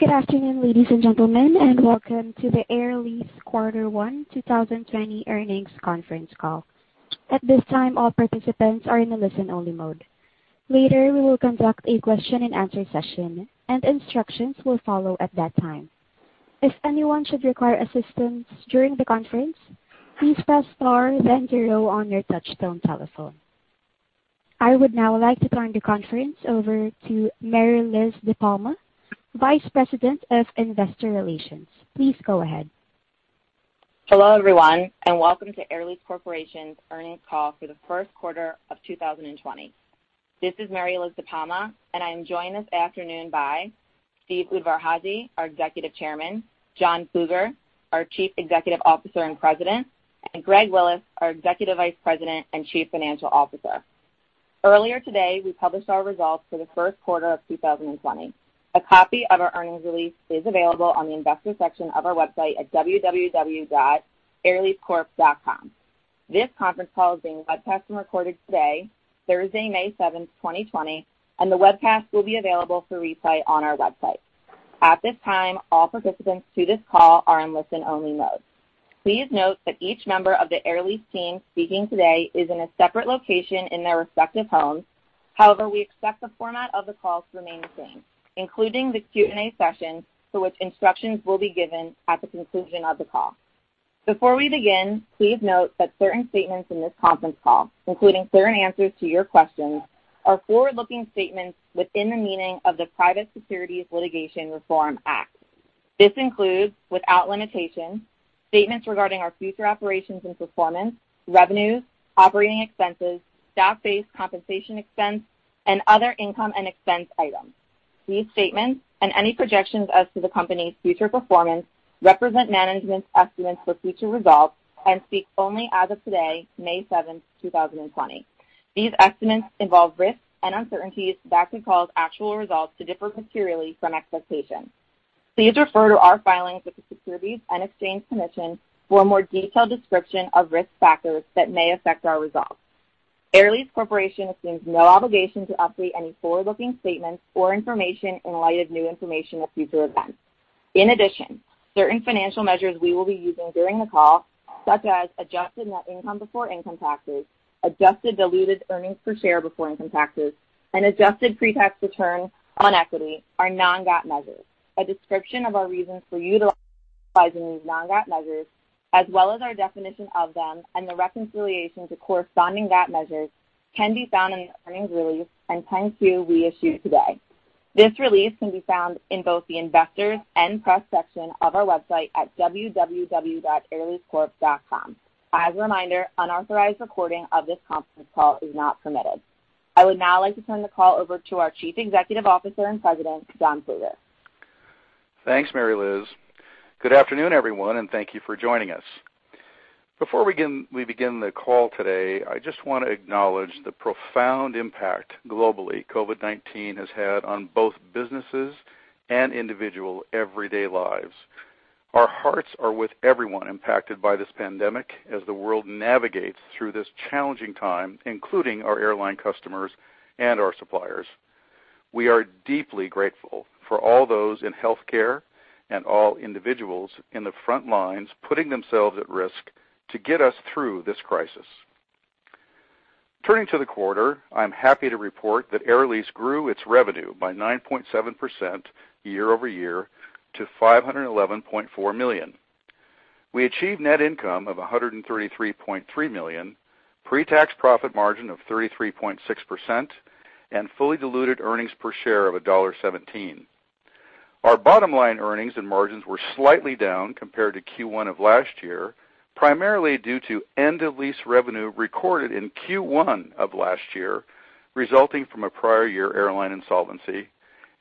Good afternoon, ladies and gentlemen, and welcome to the Air Lease Q1 2020 Earnings Conference Call. At this time, all participants are in a listen-only mode. Later, we will conduct a question-and-answer session, and instructions will follow at that time. If anyone should require assistance during the conference, please press star then zero on your touch-tone telephone. I would now like to turn the conference over to Mary Liz DePalma, Vice President of Investor Relations. Please go ahead. Hello, everyone, and welcome to Air Lease Corporation's Earnings Call for the Q1 of 2020. This is Mary Liz DePalma, and I am joined this afternoon by Steve Udvar-Hazy, our Executive Chairman, John Plueger, our Chief Executive Officer and President, and Greg Willis, our Executive Vice President and Chief Financial Officer. Earlier today, we published our results for the Q1 of 2020. A copy of our earnings release is available on the investor section of our website at www.airleasecorp.com. This conference call is being webcast and recorded today, Thursday, 7 May 2020, and the webcast will be available for replay on our website. At this time, all participants to this call are in listen-only mode. Please note that each member of the Air Lease team speaking today is in a separate location in their respective homes. However, we expect the format of the call to remain the same, including the Q&A session, for which instructions will be given at the conclusion of the call. Before we begin, please note that certain statements in this conference call, including certain answers to your questions, are forward-looking statements within the meaning of the Private Securities Litigation Reform Act. This includes, without limitation, statements regarding our future operations and performance, revenues, operating expenses, stock-based compensation expense, and other income and expense items. These statements and any projections as to the company's future performance represent management's estimates for future results and speak only as of today, 7 May 2020. These estimates involve risks and uncertainties that could cause actual results to differ materially from expectations. Please refer to our filings with the Securities and Exchange Commission for a more detailed description of risk factors that may affect our results. Air Lease Corporation assumes no obligation to update any forward-looking statements or information in light of new information or future events. In addition, certain financial measures we will be using during the call, such as adjusted net income before income taxes, adjusted diluted earnings per share before income taxes, and adjusted pre-tax return on equity, are non-GAAP measures. A description of our reasons for utilizing these non-GAAP measures, as well as our definition of them and the reconciliation to corresponding GAAP measures, can be found in the earnings release and 10-Q we issue today. This release can be found in both the investors' and press section of our website at www.airleasecorp.com. As a reminder, unauthorized recording of this conference call is not permitted. I would now like to turn the call over to our Chief Executive Officer and President, John Plueger. Thanks, Mary Liz. Good afternoon, everyone, and thank you for joining us. Before we begin the call today, I just want to acknowledge the profound impact globally COVID-19 has had on both businesses and individual everyday lives. Our hearts are with everyone impacted by this pandemic as the world navigates through this challenging time, including our airline customers and our suppliers. We are deeply grateful for all those in healthcare and all individuals in the front lines putting themselves at risk to get us through this crisis. Turning to the quarter, I'm happy to report that Air Lease grew its revenue by 9.7% year-over-year to $511.4 million. We achieved net income of $133.3 million, pre-tax profit margin of 33.6%, and fully diluted earnings per share of $1.17. Our bottom line earnings and margins were slightly down compared to Q1 of last year, primarily due to end-of-lease revenue recorded in Q1 of last year resulting from a prior year airline insolvency,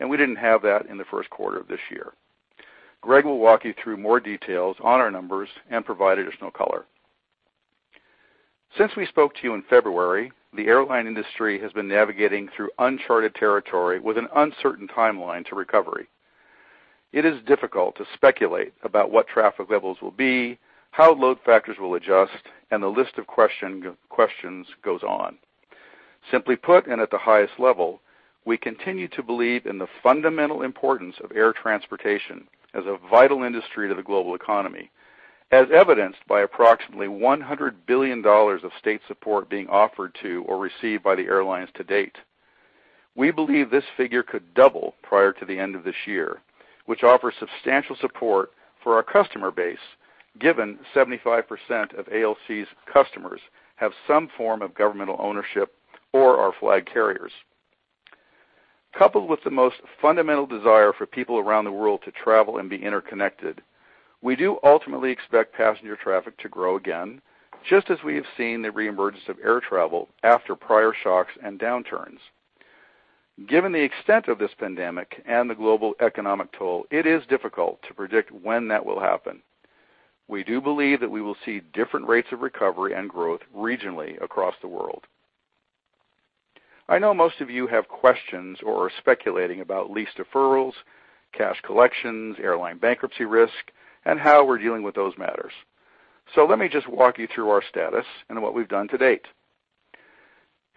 and we didn't have that in the Q1 of this year. Greg will walk you through more details on our numbers and provide additional color. Since we spoke to you in February, the airline industry has been navigating through uncharted territory with an uncertain timeline to recovery. It is difficult to speculate about what traffic levels will be, how load factors will adjust, and the list of questions goes on. Simply put, and at the highest level, we continue to believe in the fundamental importance of air transportation as a vital industry to the global economy, as evidenced by approximately $100 billion of state support being offered to or received by the airlines to date. We believe this figure could double prior to the end of this year, which offers substantial support for our customer base given 75% of ALC's customers have some form of governmental ownership or are flag carriers. Coupled with the most fundamental desire for people around the world to travel and be interconnected, we do ultimately expect passenger traffic to grow again, just as we have seen the reemergence of air travel after prior shocks and downturns. Given the extent of this pandemic and the global economic toll, it is difficult to predict when that will happen. We do believe that we will see different rates of recovery and growth regionally across the world. I know most of you have questions or are speculating about lease deferrals, cash collections, airline bankruptcy risk, and how we're dealing with those matters. So let me just walk you through our status and what we've done to date.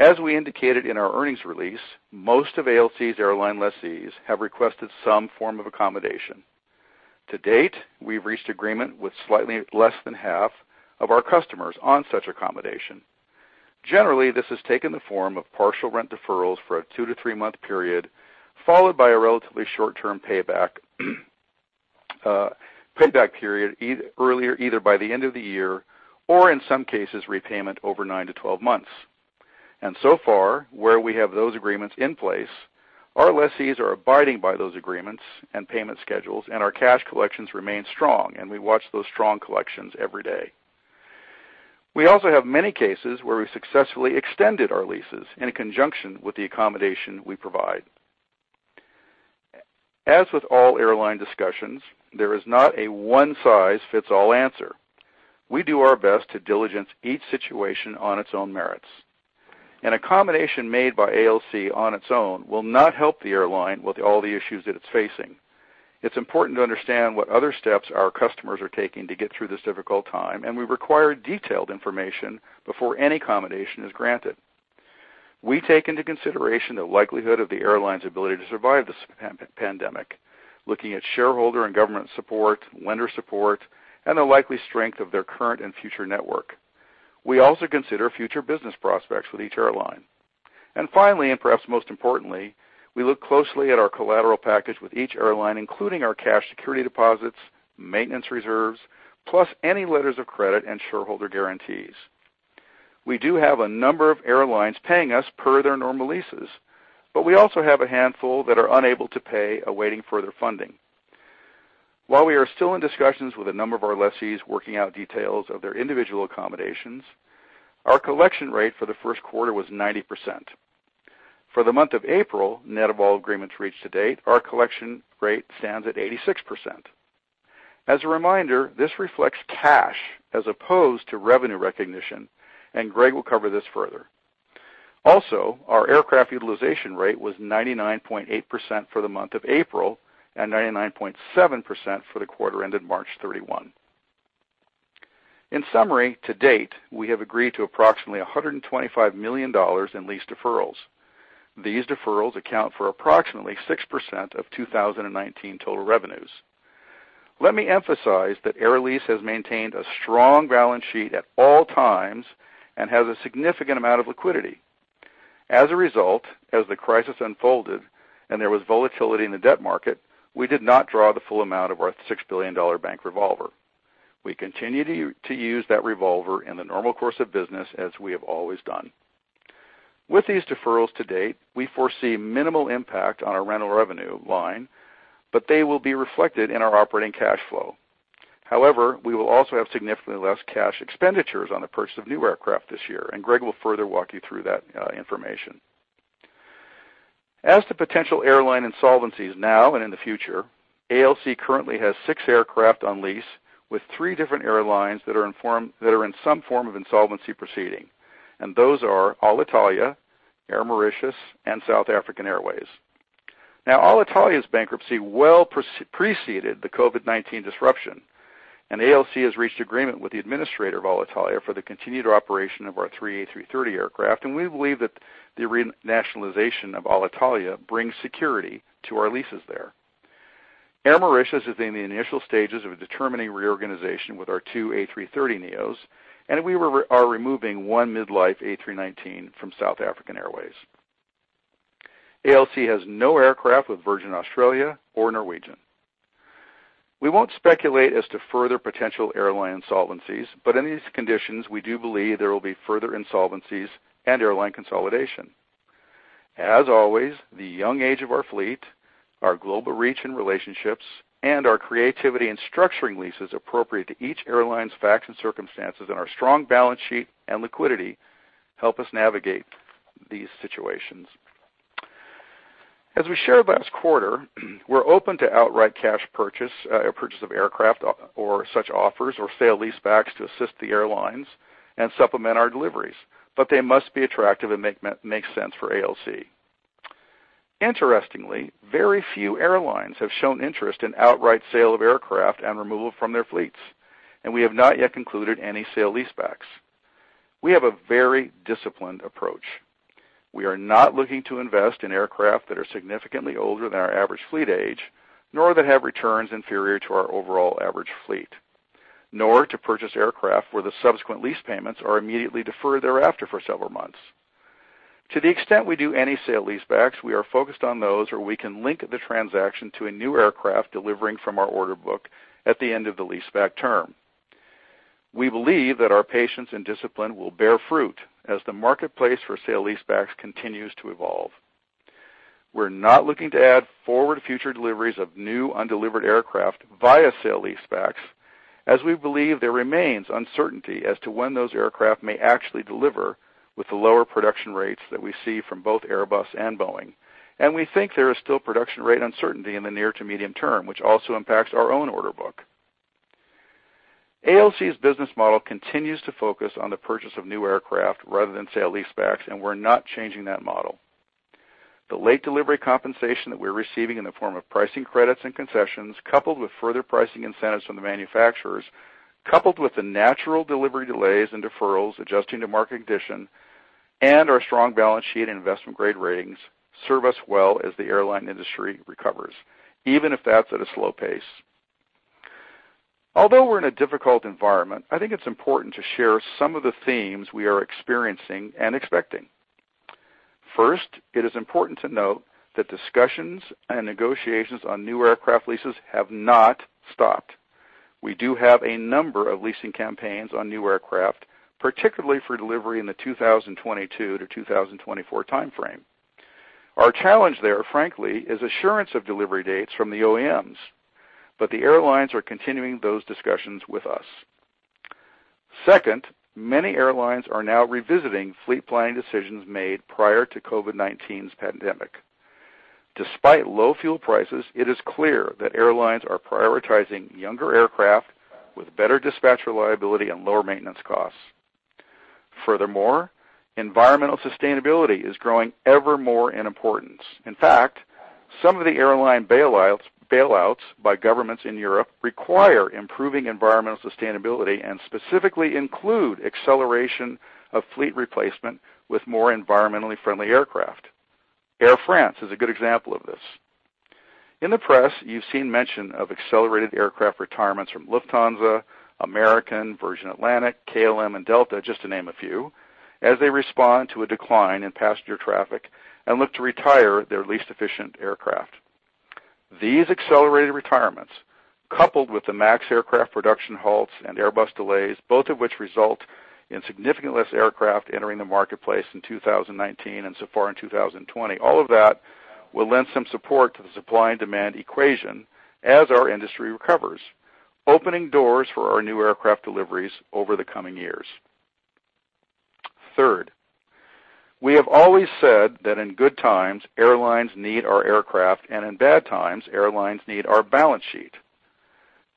As we indicated in our earnings release, most of ALC's airline lessees have requested some form of accommodation. To date, we've reached agreement with slightly less than half of our customers on such accommodation. Generally, this has taken the form of partial rent deferrals for a two- to three-month period, followed by a relatively short-term payback period either by the end of the year or, in some cases, repayment over nine- to twelve months. And so far, where we have those agreements in place, our lessees are abiding by those agreements and payment schedules, and our cash collections remain strong, and we watch those strong collections every day. We also have many cases where we've successfully extended our leases in conjunction with the accommodation we provide. As with all airline discussions, there is not a one-size-fits-all answer. We do our best to diligence each situation on its own merits. An accommodation made by ALC on its own will not help the airline with all the issues that it's facing. It's important to understand what other steps our customers are taking to get through this difficult time, and we require detailed information before any accommodation is granted. We take into consideration the likelihood of the airline's ability to survive this pandemic, looking at shareholder and government support, lender support, and the likely strength of their current and future network. We also consider future business prospects with each airline. And finally, and perhaps most importantly, we look closely at our collateral package with each airline, including our cash security deposits, maintenance reserves, plus any letters of credit and shareholder guarantees. We do have a number of airlines paying us per their normal leases, but we also have a handful that are unable to pay awaiting further funding. While we are still in discussions with a number of our lessees working out details of their individual accommodations, our collection rate for the Q1 was 90%. For the month of April, net of all agreements reached to date, our collection rate stands at 86%. As a reminder, this reflects cash as opposed to revenue recognition, and Greg will cover this further. Also, our aircraft utilization rate was 99.8% for the month of April and 99.7% for the quarter ended 31 March. In summary, to date, we have agreed to approximately $125 million in lease deferrals. These deferrals account for approximately 6% of 2019 total revenues. Let me emphasize that Air Lease has maintained a strong balance sheet at all times and has a significant amount of liquidity. As a result, as the crisis unfolded and there was volatility in the debt market, we did not draw the full amount of our $6 billion bank revolver. We continue to use that revolver in the normal course of business as we have always done. With these deferrals to date, we foresee minimal impact on our rental revenue line, but they will be reflected in our operating cash flow. However, we will also have significantly less cash expenditures on the purchase of new aircraft this year, and Greg will further walk you through that information. As to potential airline insolvencies now and in the future, ALC currently has six aircraft on lease with three different airlines that are in some form of insolvency proceeding, and those are Alitalia, Air Mauritius, and South African Airways. Now, Alitalia's bankruptcy well preceded the COVID-19 disruption, and ALC has reached agreement with the administrator of Alitalia for the continued operation of our three A330 aircraft, and we believe that the renationalization of Alitalia brings security to our leases there. Air Mauritius is in the initial stages of determining reorganization with our two A330neos, and we are removing one mid-life A319 from South African Airways. ALC has no aircraft with Virgin Australia or Norwegian. We won't speculate as to further potential airline insolvencies, but in these conditions, we do believe there will be further insolvencies and airline consolidation. As always, the young age of our fleet, our global reach and relationships, and our creativity in structuring leases appropriate to each airline's facts and circumstances and our strong balance sheet and liquidity help us navigate these situations. As we shared last quarter, we're open to outright cash purchase, purchase of aircraft or such offers or sale-leasebacks to assist the airlines and supplement our deliveries, but they must be attractive and make sense for ALC. Interestingly, very few airlines have shown interest in outright sale of aircraft and removal from their fleets, and we have not yet concluded any sale-leasebacks. We have a very disciplined approach. We are not looking to invest in aircraft that are significantly older than our average fleet age, nor that have returns inferior to our overall average fleet, nor to purchase aircraft where the subsequent lease payments are immediately deferred thereafter for several months. To the extent we do any sale-leasebacks, we are focused on those where we can link the transaction to a new aircraft delivering from our order book at the end of the lease-back term. We believe that our patience and discipline will bear fruit as the marketplace for sale-leasebacks continues to evolve. We're not looking to add forward future deliveries of new undelivered aircraft via sale-leasebacks, as we believe there remains uncertainty as to when those aircraft may actually deliver with the lower production rates that we see from both Airbus and Boeing, and we think there is still production rate uncertainty in the near to medium term, which also impacts our own order book. ALC's business model continues to focus on the purchase of new aircraft rather than sale-leasebacks, and we're not changing that model. The late delivery compensation that we're receiving in the form of pricing credits and concessions, coupled with further pricing incentives from the manufacturers, coupled with the natural delivery delays and deferrals adjusting to market condition, and our strong balance sheet and investment grade ratings serve us well as the airline industry recovers, even if that's at a slow pace. Although we're in a difficult environment, I think it's important to share some of the themes we are experiencing and expecting. First, it is important to note that discussions and negotiations on new aircraft leases have not stopped. We do have a number of leasing campaigns on new aircraft, particularly for delivery in the 2022 to 2024 timeframe. Our challenge there, frankly, is assurance of delivery dates from the OEMs, but the airlines are continuing those discussions with us. Second, many airlines are now revisiting fleet planning decisions made prior to COVID-19's pandemic. Despite low fuel prices, it is clear that airlines are prioritizing younger aircraft with better dispatch reliability and lower maintenance costs. Furthermore, environmental sustainability is growing ever more in importance. In fact, some of the airline bailouts by governments in Europe require improving environmental sustainability and specifically include acceleration of fleet replacement with more environmentally friendly aircraft. Air France is a good example of this. In the press, you've seen mention of accelerated aircraft retirements from Lufthansa, American, Virgin Atlantic, KLM, and Delta, just to name a few, as they respond to a decline in passenger traffic and look to retire their least efficient aircraft. These accelerated retirements, coupled with the MAX aircraft production halts and Airbus delays, both of which result in significantly less aircraft entering the marketplace in 2019 and so far in 2020, all of that will lend some support to the supply and demand equation as our industry recovers, opening doors for our new aircraft deliveries over the coming years. Third, we have always said that in good times, airlines need our aircraft, and in bad times, airlines need our balance sheet.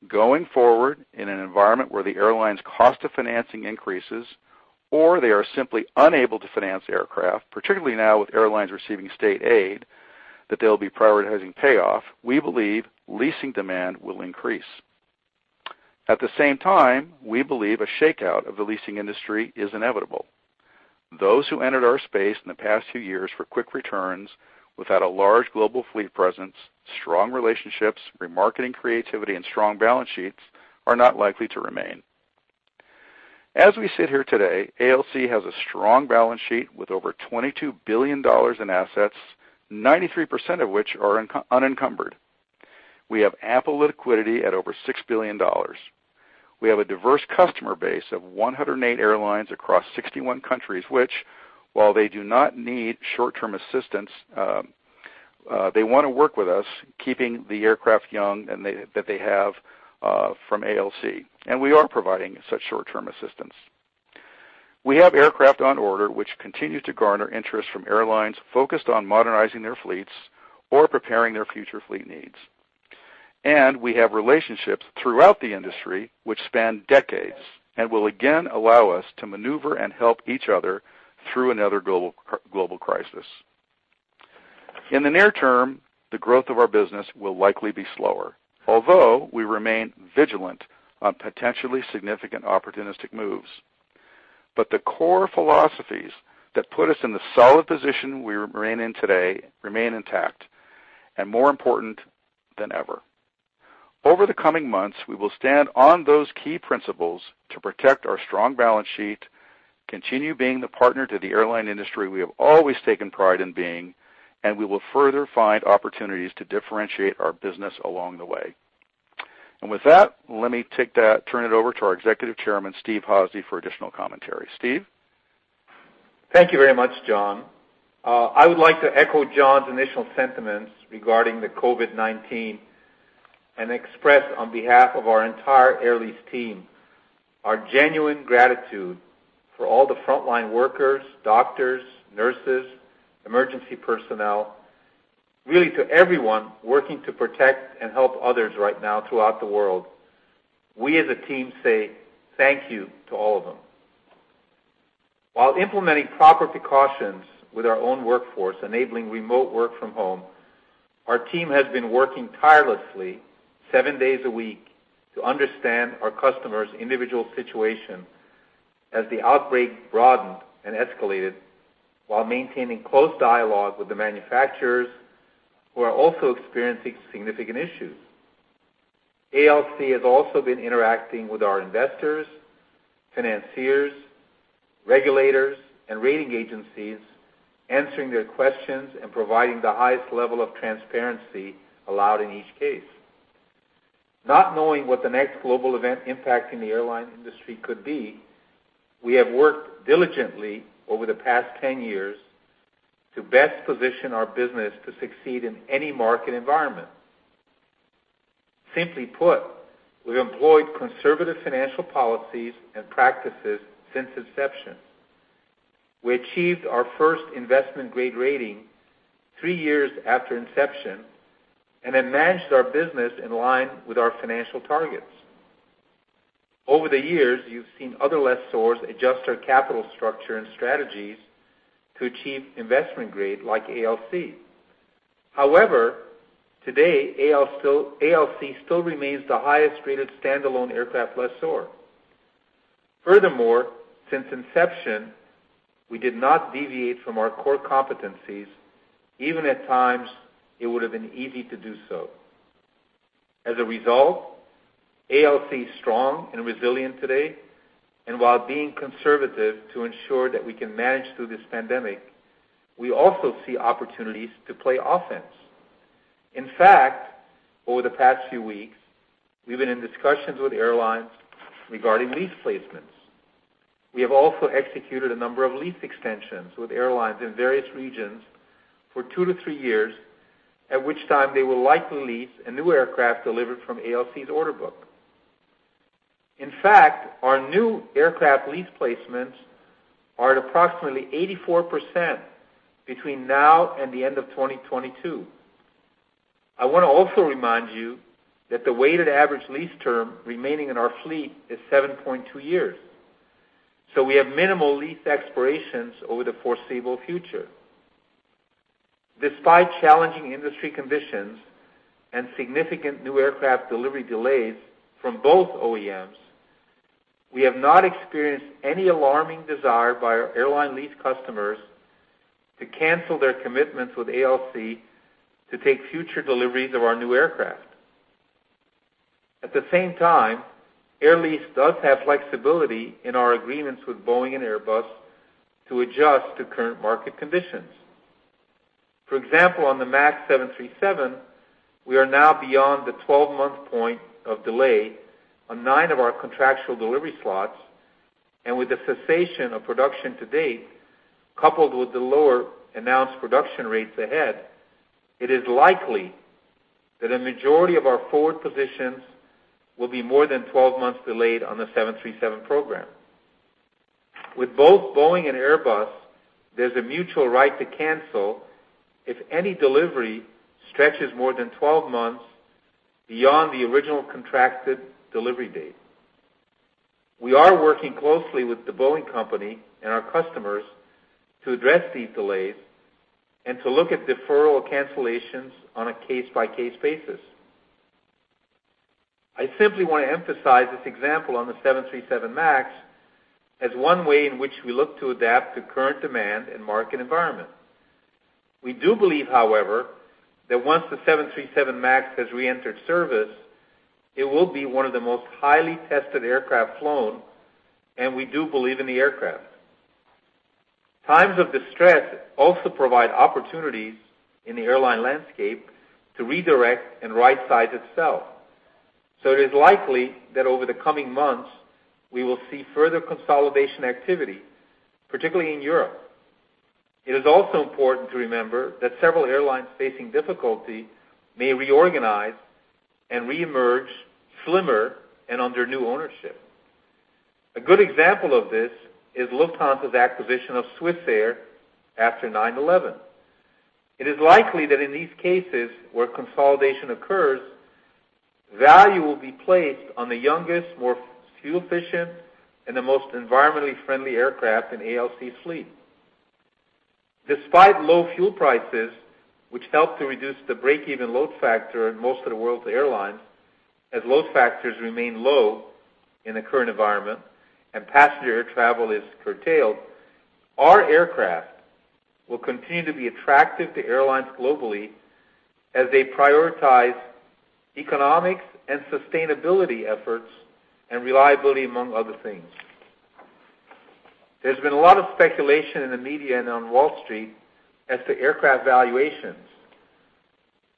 Going forward in an environment where the airlines' cost of financing increases or they are simply unable to finance aircraft, particularly now with airlines receiving state aid that they'll be prioritizing payoff, we believe leasing demand will increase. At the same time, we believe a shakeout of the leasing industry is inevitable. Those who entered our space in the past few years for quick returns without a large global fleet presence, strong relationships, remarketing creativity, and strong balance sheets are not likely to remain. As we sit here today, ALC has a strong balance sheet with over $22 billion in assets, 93% of which are unencumbered. We have ample liquidity at over $6 billion. We have a diverse customer base of 108 airlines across 61 countries, which, while they do not need short-term assistance, they want to work with us, keeping the aircraft young that they have from ALC, and we are providing such short-term assistance. We have aircraft on order, which continues to garner interest from airlines focused on modernizing their fleets or preparing their future fleet needs. And we have relationships throughout the industry which span decades and will again allow us to maneuver and help each other through another global crisis. In the near term, the growth of our business will likely be slower, although we remain vigilant on potentially significant opportunistic moves. But the core philosophies that put us in the solid position we remain in today remain intact and more important than ever. Over the coming months, we will stand on those key principles to protect our strong balance sheet, continue being the partner to the airline industry we have always taken pride in being, and we will further find opportunities to differentiate our business along the way. And with that, let me turn it over to our Executive Chairman, Steve Hazy, for additional commentary. Steve? Thank you very much, John. I would like to echo John's initial sentiments regarding the COVID-19 and express, on behalf of our entire Air Lease team, our genuine gratitude for all the frontline workers, doctors, nurses, emergency personnel, really to everyone working to protect and help others right now throughout the world. We, as a team, say thank you to all of them. While implementing proper precautions with our own workforce, enabling remote work from home, our team has been working tirelessly seven days a week to understand our customers' individual situation as the outbreak broadened and escalated while maintaining close dialogue with the manufacturers who are also experiencing significant issues. ALC has also been interacting with our investors, financiers, regulators, and rating agencies, answering their questions and providing the highest level of transparency allowed in each case. Not knowing what the next global event impacting the airline industry could be, we have worked diligently over the past 10 years to best position our business to succeed in any market environment. Simply put, we've employed conservative financial policies and practices since inception. We achieved our first investment grade rating three years after inception and have managed our business in line with our financial targets. Over the years, you've seen other lessors adjust our capital structure and strategies to achieve investment grade like ALC. However, today, ALC still remains the highest-rated standalone aircraft lessor. Furthermore, since inception, we did not deviate from our core competencies, even at times it would have been easy to do so. As a result, ALC is strong and resilient today, and while being conservative to ensure that we can manage through this pandemic, we also see opportunities to play offense. In fact, over the past few weeks, we've been in discussions with airlines regarding lease placements. We have also executed a number of lease extensions with airlines in various regions for two to three years, at which time they will likely lease a new aircraft delivered from ALC's order book. In fact, our new aircraft lease placements are at approximately 84% between now and the end of 2022. I want to also remind you that the weighted average lease term remaining in our fleet is 7.2 years, so we have minimal lease expirations over the foreseeable future. Despite challenging industry conditions and significant new aircraft delivery delays from both OEMs, we have not experienced any alarming desire by our airline lease customers to cancel their commitments with ALC to take future deliveries of our new aircraft. At the same time, Air Lease does have flexibility in our agreements with Boeing and Airbus to adjust to current market conditions. For example, on the MAX 737, we are now beyond the 12-month point of delay on nine of our contractual delivery slots, and with the cessation of production to date, coupled with the lower announced production rates ahead, it is likely that a majority of our forward positions will be more than 12 months delayed on the 737 program. With both Boeing and Airbus, there's a mutual right to cancel if any delivery stretches more than 12 months beyond the original contracted delivery date. We are working closely with the Boeing company and our customers to address these delays and to look at deferral cancellations on a case-by-case basis. I simply want to emphasize this example on the 737 MAX as one way in which we look to adapt to current demand and market environment. We do believe, however, that once the 737 MAX has re-entered service, it will be one of the most highly tested aircraft flown, and we do believe in the aircraft. Times of distress also provide opportunities in the airline landscape to redirect and right-size itself, so it is likely that over the coming months, we will see further consolidation activity, particularly in Europe. It is also important to remember that several airlines facing difficulty may reorganize and re-emerge, slimmer, and under new ownership. A good example of this is Lufthansa's acquisition of Swissair after 9/11. It is likely that in these cases where consolidation occurs, value will be placed on the youngest, more fuel-efficient, and the most environmentally friendly aircraft in ALC's fleet. Despite low fuel prices, which help to reduce the break-even load factor in most of the world's airlines, as load factors remain low in the current environment and passenger air travel is curtailed, our aircraft will continue to be attractive to airlines globally as they prioritize economics and sustainability efforts and reliability, among other things. There's been a lot of speculation in the media and on Wall Street as to aircraft valuations,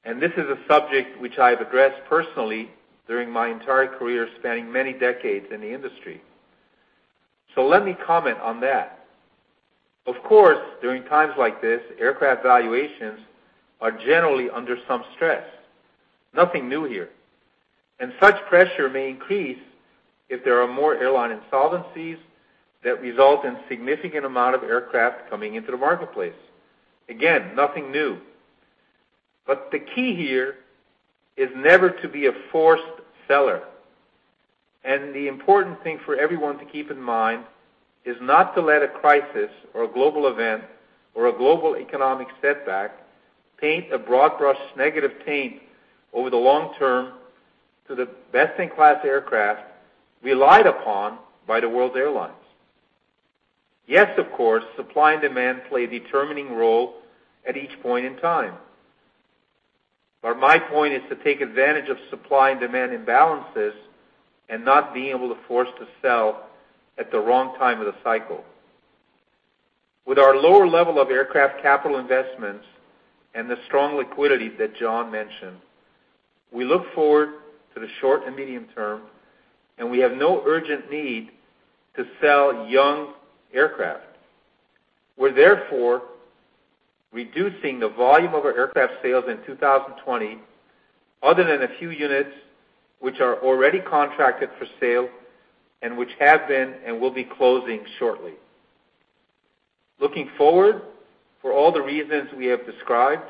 and this is a subject which I've addressed personally during my entire career spanning many decades in the industry, so let me comment on that. Of course, during times like this, aircraft valuations are generally under some stress. Nothing new here. And such pressure may increase if there are more airline insolvencies that result in a significant amount of aircraft coming into the marketplace. Again, nothing new. But the key here is never to be a forced seller. The important thing for everyone to keep in mind is not to let a crisis or a global event or a global economic setback paint a broad-brush negative paint over the long term to the best-in-class aircraft relied upon by the world's airlines. Yes, of course, supply and demand play a determining role at each point in time. My point is to take advantage of supply and demand imbalances and not being able to force to sell at the wrong time of the cycle. With our lower level of aircraft capital investments and the strong liquidity that John mentioned, we look forward to the short and medium term, and we have no urgent need to sell young aircraft. We're therefore reducing the volume of our aircraft sales in 2020, other than a few units which are already contracted for sale and which have been and will be closing shortly. Looking forward, for all the reasons we have described,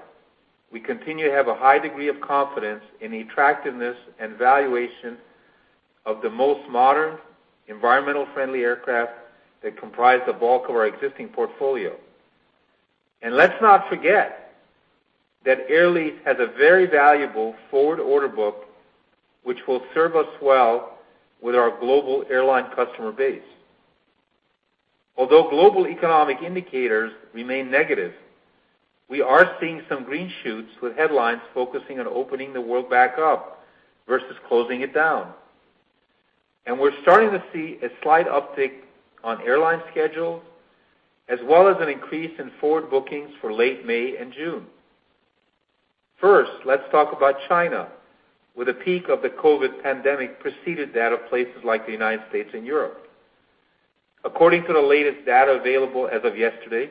we continue to have a high degree of confidence in the attractiveness and valuation of the most modern, environmentally friendly aircraft that comprise the bulk of our existing portfolio. And let's not forget that Air Lease has a very valuable forward order book which will serve us well with our global airline customer base. Although global economic indicators remain negative, we are seeing some green shoots with headlines focusing on opening the world back up versus closing it down. And we're starting to see a slight uptick on airline schedules, as well as an increase in forward bookings for late May and June. First, let's talk about China, where the peak of the COVID pandemic preceded that of places like the United States and Europe. According to the latest data available as of yesterday,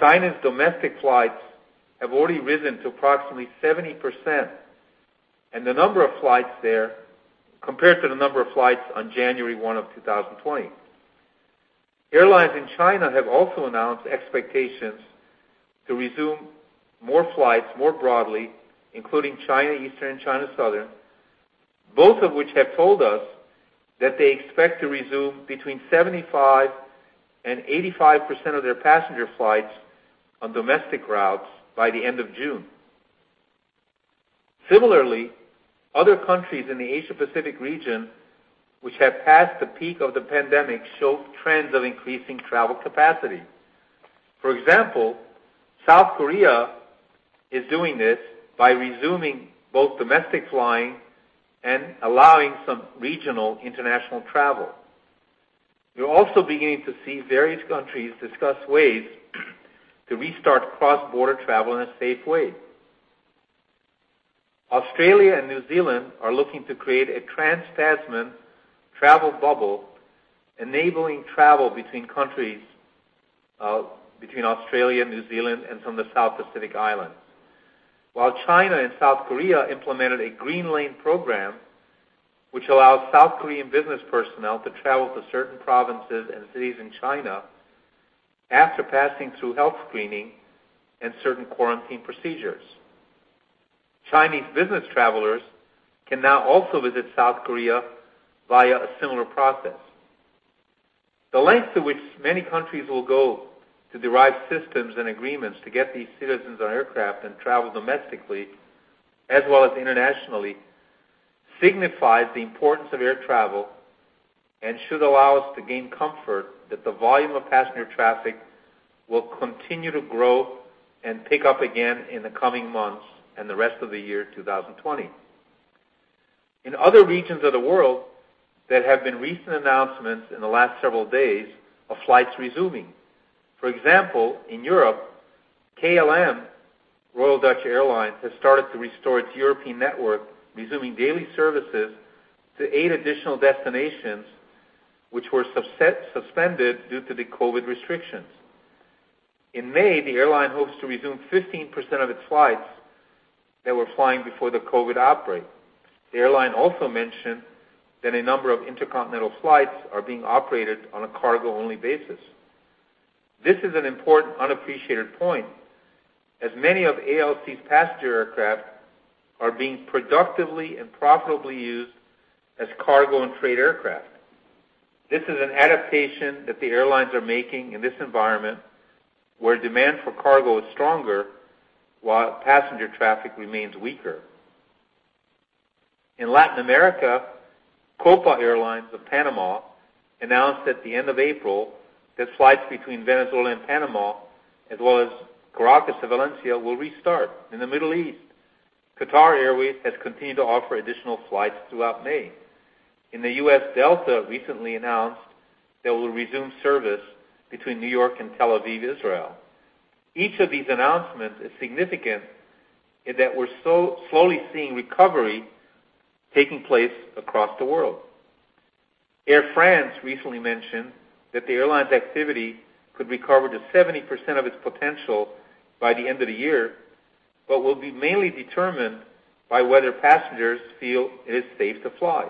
China's domestic flights have already risen to approximately 70%, and the number of flights there compared to the number of flights on 1 January 2020. Airlines in China have also announced expectations to resume more flights more broadly, including China Eastern and China Southern, both of which have told us that they expect to resume between 75% and 85% of their passenger flights on domestic routes by the end of June. Similarly, other countries in the Asia-Pacific region, which have passed the peak of the pandemic, show trends of increasing travel capacity. For example, South Korea is doing this by resuming both domestic flying and allowing some regional international travel. We're also beginning to see various countries discuss ways to restart cross-border travel in a safe way. Australia and New Zealand are looking to create a Trans-Tasman travel bubble, enabling travel between Australia, New Zealand, and some of the South Pacific islands. While China and South Korea implemented a Green Lane program, which allows South Korean business personnel to travel to certain provinces and cities in China after passing through health screening and certain quarantine procedures, Chinese business travelers can now also visit South Korea via a similar process. The length to which many countries will go to derive systems and agreements to get these citizens on aircraft and travel domestically, as well as internationally, signifies the importance of air travel and should allow us to gain comfort that the volume of passenger traffic will continue to grow and pick up again in the coming months and the rest of the year 2020. In other regions of the world, there have been recent announcements in the last several days of flights resuming. For example, in Europe, KLM Royal Dutch Airlines has started to restore its European network, resuming daily services to eight additional destinations which were suspended due to the COVID restrictions. In May, the airline hopes to resume 15% of its flights that were flying before the COVID outbreak. The airline also mentioned that a number of intercontinental flights are being operated on a cargo-only basis. This is an important unappreciated point, as many of ALC's passenger aircraft are being productively and profitably used as cargo and freight aircraft. This is an adaptation that the airlines are making in this environment, where demand for cargo is stronger while passenger traffic remains weaker. In Latin America, Copa Airlines of Panama announced at the end of April that flights between Venezuela and Panama, as well as Caracas to Valencia, will restart. In the Middle East, Qatar Airways has continued to offer additional flights throughout May. In the US, Delta recently announced they will resume service between New York and Tel Aviv, Israel. Each of these announcements is significant in that we're slowly seeing recovery taking place across the world. Air France recently mentioned that the airline's activity could recover to 70% of its potential by the end of the year, but will be mainly determined by whether passengers feel it is safe to fly.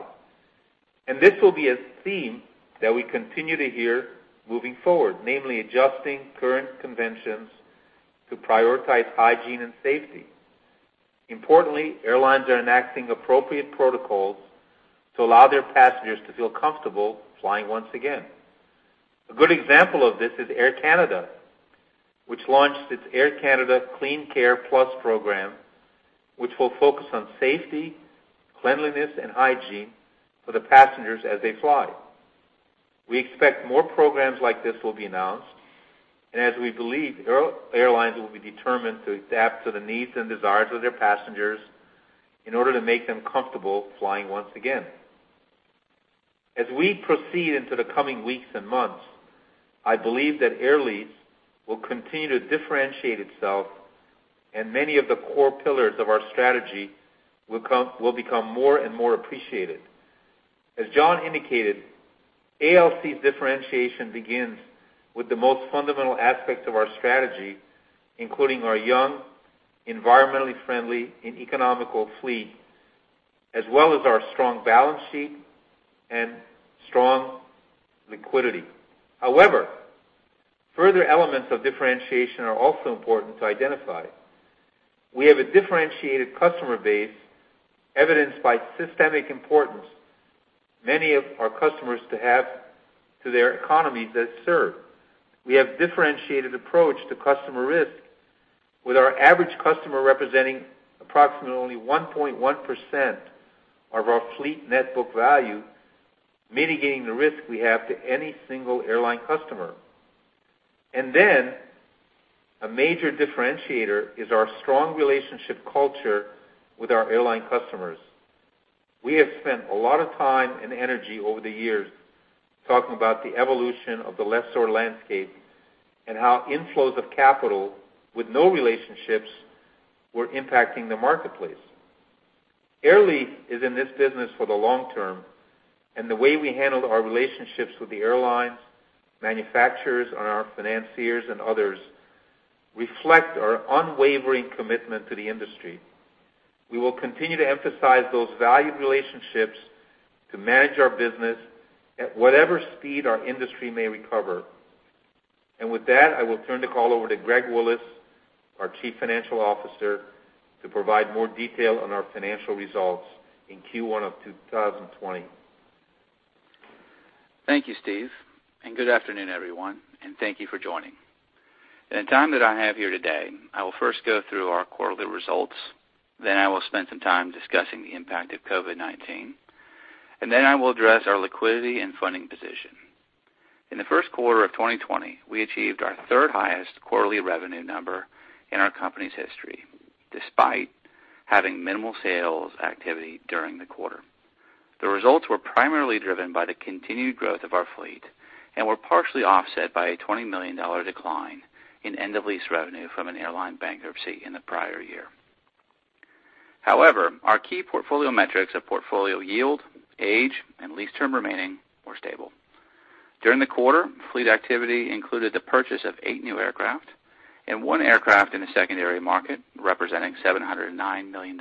And this will be a theme that we continue to hear moving forward, namely adjusting current conventions to prioritize hygiene and safety. Importantly, airlines are enacting appropriate protocols to allow their passengers to feel comfortable flying once again. A good example of this is Air Canada, which launched its Air Canada Clean Care Plus program, which will focus on safety, cleanliness, and hygiene for the passengers as they fly. We expect more programs like this will be announced, and as we believe, airlines will be determined to adapt to the needs and desires of their passengers in order to make them comfortable flying once again. As we proceed into the coming weeks and months, I believe that Air Lease will continue to differentiate itself, and many of the core pillars of our strategy will become more and more appreciated. As John indicated, ALC's differentiation begins with the most fundamental aspects of our strategy, including our young, environmentally friendly, and economical fleet, as well as our strong balance sheet and strong liquidity. However, further elements of differentiation are also important to identify. We have a differentiated customer base, evidenced by systemic importance many of our customers have to their economies they serve. We have a differentiated approach to customer risk, with our average customer representing approximately only 1.1% of our fleet net book value, mitigating the risk we have to any single airline customer, and then a major differentiator is our strong relationship culture with our airline customers. We have spent a lot of time and energy over the years talking about the evolution of the lessor landscape and how inflows of capital with no relationships were impacting the marketplace. Air Lease is in this business for the long term, and the way we handle our relationships with the airlines, manufacturers, our financiers, and others reflects our unwavering commitment to the industry. We will continue to emphasize those valued relationships to manage our business at whatever speed our industry may recover. And with that, I will turn the call over to Greg Willis, our Chief Financial Officer, to provide more detail on our financial results in Q1 of 2020. Thank you, Steve, and good afternoon, everyone, and thank you for joining. In the time that I have here today, I will first go through our quarterly results. Then I will spend some time discussing the impact of COVID-19, and then I will address our liquidity and funding position. In the Q1 of 2020, we achieved our third-highest quarterly revenue number in our company's history, despite having minimal sales activity during the quarter. The results were primarily driven by the continued growth of our fleet and were partially offset by a $20 million decline in end-of-lease revenue from an airline bankruptcy in the prior year. However, our key portfolio metrics of portfolio yield, age, and lease term remaining were stable. During the quarter, fleet activity included the purchase of eight new aircraft and one aircraft in a secondary market, representing $709 million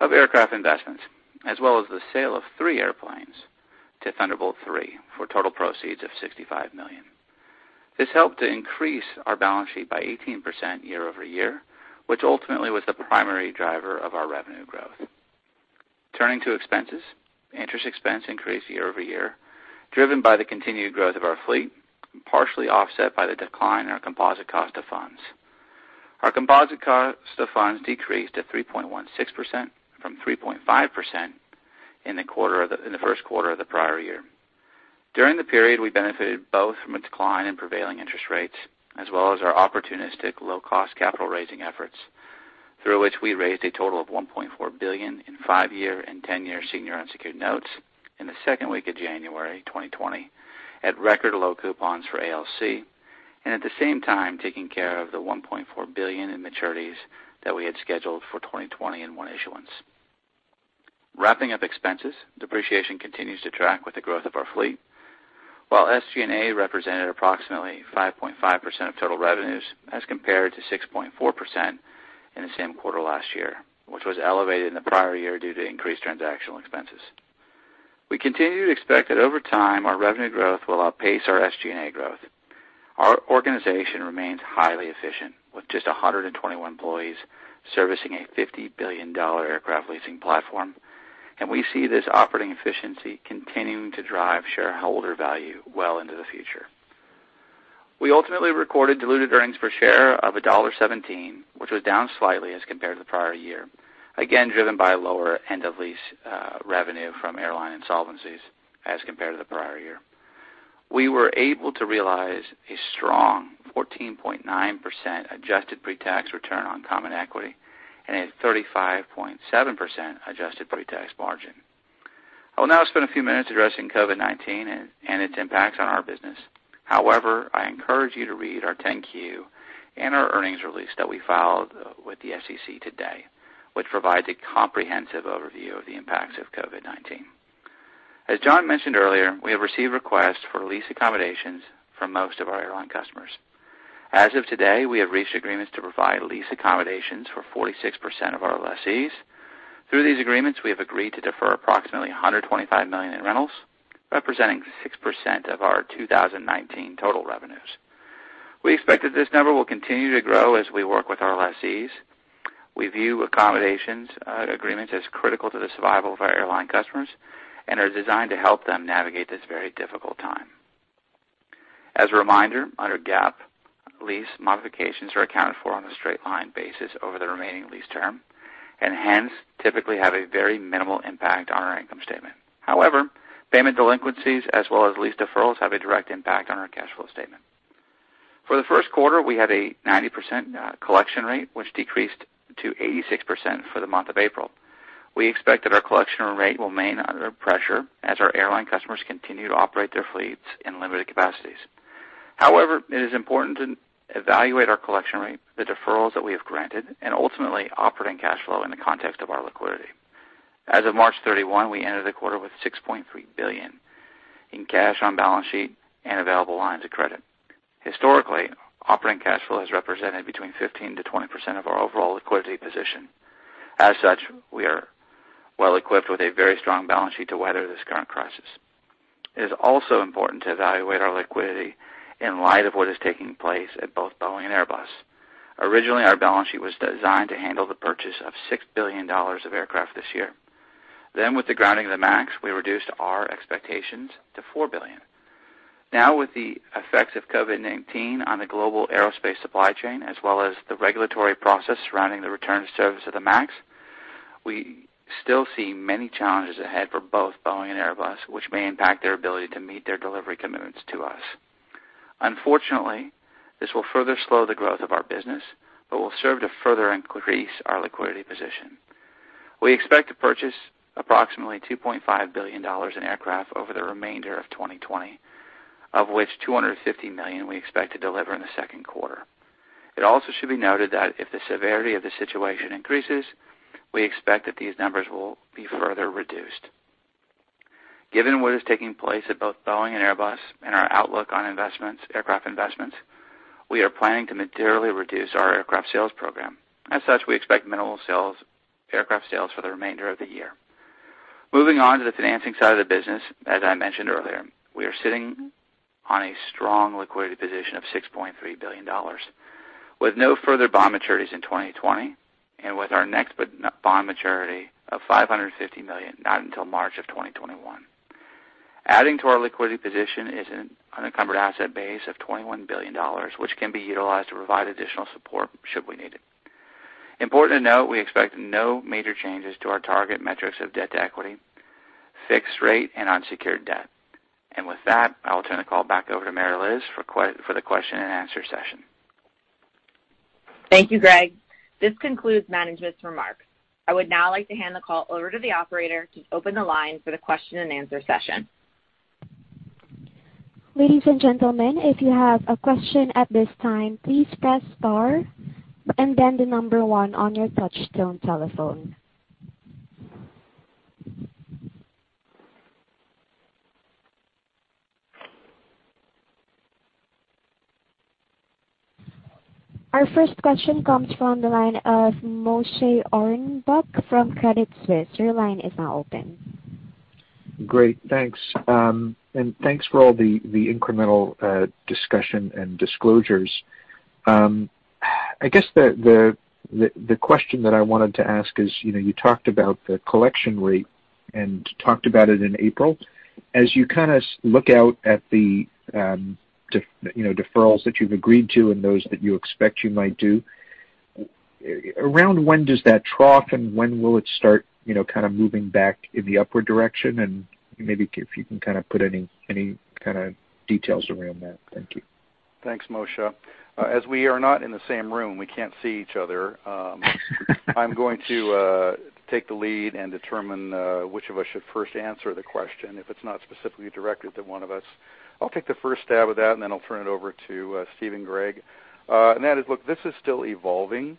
of aircraft investments, as well as the sale of three airplanes to Thunderbolt III for a total proceeds of $65 million. This helped to increase our balance sheet by 18% year-over-year, which ultimately was the primary driver of our revenue growth. Turning to expenses, interest expense increased year-over-year, driven by the continued growth of our fleet, partially offset by the decline in our composite cost of funds. Our composite cost of funds decreased to 3.16% from 3.5% in the Q1 of the prior year. During the period, we benefited both from a decline in prevailing interest rates, as well as our opportunistic low-cost capital raising efforts, through which we raised a total of $1.4 billion in five-year and 10-year senior unsecured notes in the second week of January 2020 at record low coupons for ALC, and at the same time taking care of the $1.4 billion in maturities that we had scheduled for 2020 in one issuance. Wrapping up expenses, depreciation continues to track with the growth of our fleet, while SG&A represented approximately 5.5% of total revenues as compared to 6.4% in the same quarter last year, which was elevated in the prior year due to increased transactional expenses. We continue to expect that over time, our revenue growth will outpace our SG&A growth. Our organization remains highly efficient, with just 121 employees servicing a $50 billion aircraft leasing platform, and we see this operating efficiency continuing to drive shareholder value well into the future. We ultimately recorded diluted earnings per share of $1.17, which was down slightly as compared to the prior year, again driven by lower end-of-lease revenue from airline insolvencies as compared to the prior year. We were able to realize a strong 14.9% adjusted pre-tax return on common equity and a 35.7% adjusted pre-tax margin. I will now spend a few minutes addressing COVID-19 and its impacts on our business. However, I encourage you to read our 10-Q and our earnings release that we filed with the SEC today, which provides a comprehensive overview of the impacts of COVID-19. As John mentioned earlier, we have received requests for lease accommodations for most of our airline customers. As of today, we have reached agreements to provide lease accommodations for 46% of our lessees. Through these agreements, we have agreed to defer approximately $125 million in rentals, representing 6% of our 2019 total revenues. We expect that this number will continue to grow as we work with our lessees. We view accommodations agreements as critical to the survival of our airline customers and are designed to help them navigate this very difficult time. As a reminder, under GAAP, lease modifications are accounted for on a straight-line basis over the remaining lease term and hence typically have a very minimal impact on our income statement. However, payment delinquencies, as well as lease deferrals, have a direct impact on our cash flow statement. For the Q1, we had a 90% collection rate, which decreased to 86% for the month of April. We expect that our collection rate will remain under pressure as our airline customers continue to operate their fleets in limited capacities. However, it is important to evaluate our collection rate, the deferrals that we have granted, and ultimately operating cash flow in the context of our liquidity. As of 31 March, we entered the quarter with $6.3 billion in cash on balance sheet and available lines of credit. Historically, operating cash flow has represented between 15%-20% of our overall liquidity position. As such, we are well-equipped with a very strong balance sheet to weather this current crisis. It is also important to evaluate our liquidity in light of what is taking place at both Boeing and Airbus. Originally, our balance sheet was designed to handle the purchase of $6 billion of aircraft this year. Then, with the grounding of the MAX, we reduced our expectations to $4 billion. Now, with the effects of COVID-19 on the global aerospace supply chain, as well as the regulatory process surrounding the return to service of the MAX, we still see many challenges ahead for both Boeing and Airbus, which may impact their ability to meet their delivery commitments to us. Unfortunately, this will further slow the growth of our business, but will serve to further increase our liquidity position. We expect to purchase approximately $2.5 billion in aircraft over the remainder of 2020, of which $250 million we expect to deliver in the Q2. It also should be noted that if the severity of the situation increases, we expect that these numbers will be further reduced. Given what is taking place at both Boeing and Airbus and our outlook on aircraft investments, we are planning to materially reduce our aircraft sales program. As such, we expect minimal aircraft sales for the remainder of the year. Moving on to the financing side of the business, as I mentioned earlier, we are sitting on a strong liquidity position of $6.3 billion, with no further bond maturities in 2020 and with our next bond maturity of $550 million not until March of 2021. Adding to our liquidity position is an unencumbered asset base of $21 billion, which can be utilized to provide additional support should we need it. Important to note, we expect no major changes to our target metrics of debt to equity, fixed rate, and unsecured debt. And with that, I will turn the call back over to Mary Liz for the question-and-answer session. Thank you, Greg. This concludes management's remarks. I would now like to hand the call over to the operator to open the line for the question-and-answer session. Ladies and gentlemen, if you have a question at this time, please press star and then the number one on your touch-tone telephone. Our first question comes from the line of Moshe Orenbuch from Credit Suisse. Your line is now open. Great, thanks. And thanks for all the incremental discussion and disclosures. I guess the question that I wanted to ask is, you talked about the collection rate and talked about it in April. As you kind of look out at the deferrals that you've agreed to and those that you expect you might do, around when does that trough and when will it start kind of moving back in the upward direction? And maybe if you can kind of put any kind of details around that. Thank you. Thanks, Moshe. As we are not in the same room, we can't see each other, I'm going to take the lead and determine which of us should first answer the question. If it's not specifically directed to one of us, I'll take the first stab at that, and then I'll turn it over to Steve and Greg. And that is, look, this is still evolving.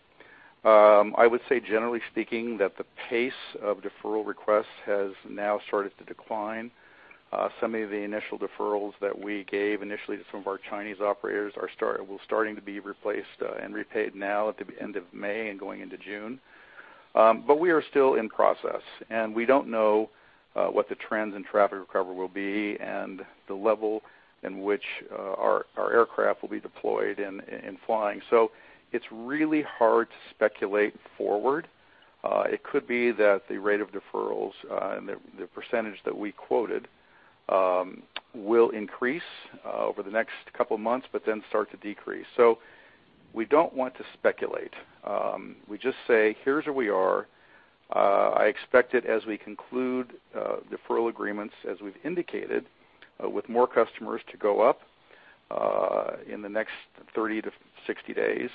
I would say, generally speaking, that the pace of deferral requests has now started to decline. Some of the initial deferrals that we gave initially to some of our Chinese operators are starting to be replaced and repaid now at the end of May and going into June. But we are still in process, and we don't know what the trends in traffic recovery will be and the level in which our aircraft will be deployed and flying. So it's really hard to speculate forward. It could be that the rate of deferrals and the percentage that we quoted will increase over the next couple of months, but then start to decrease. So we don't want to speculate. We just say, "Here's where we are." I expect that as we conclude deferral agreements, as we've indicated, with more customers to go up in the next 30 to 60 days.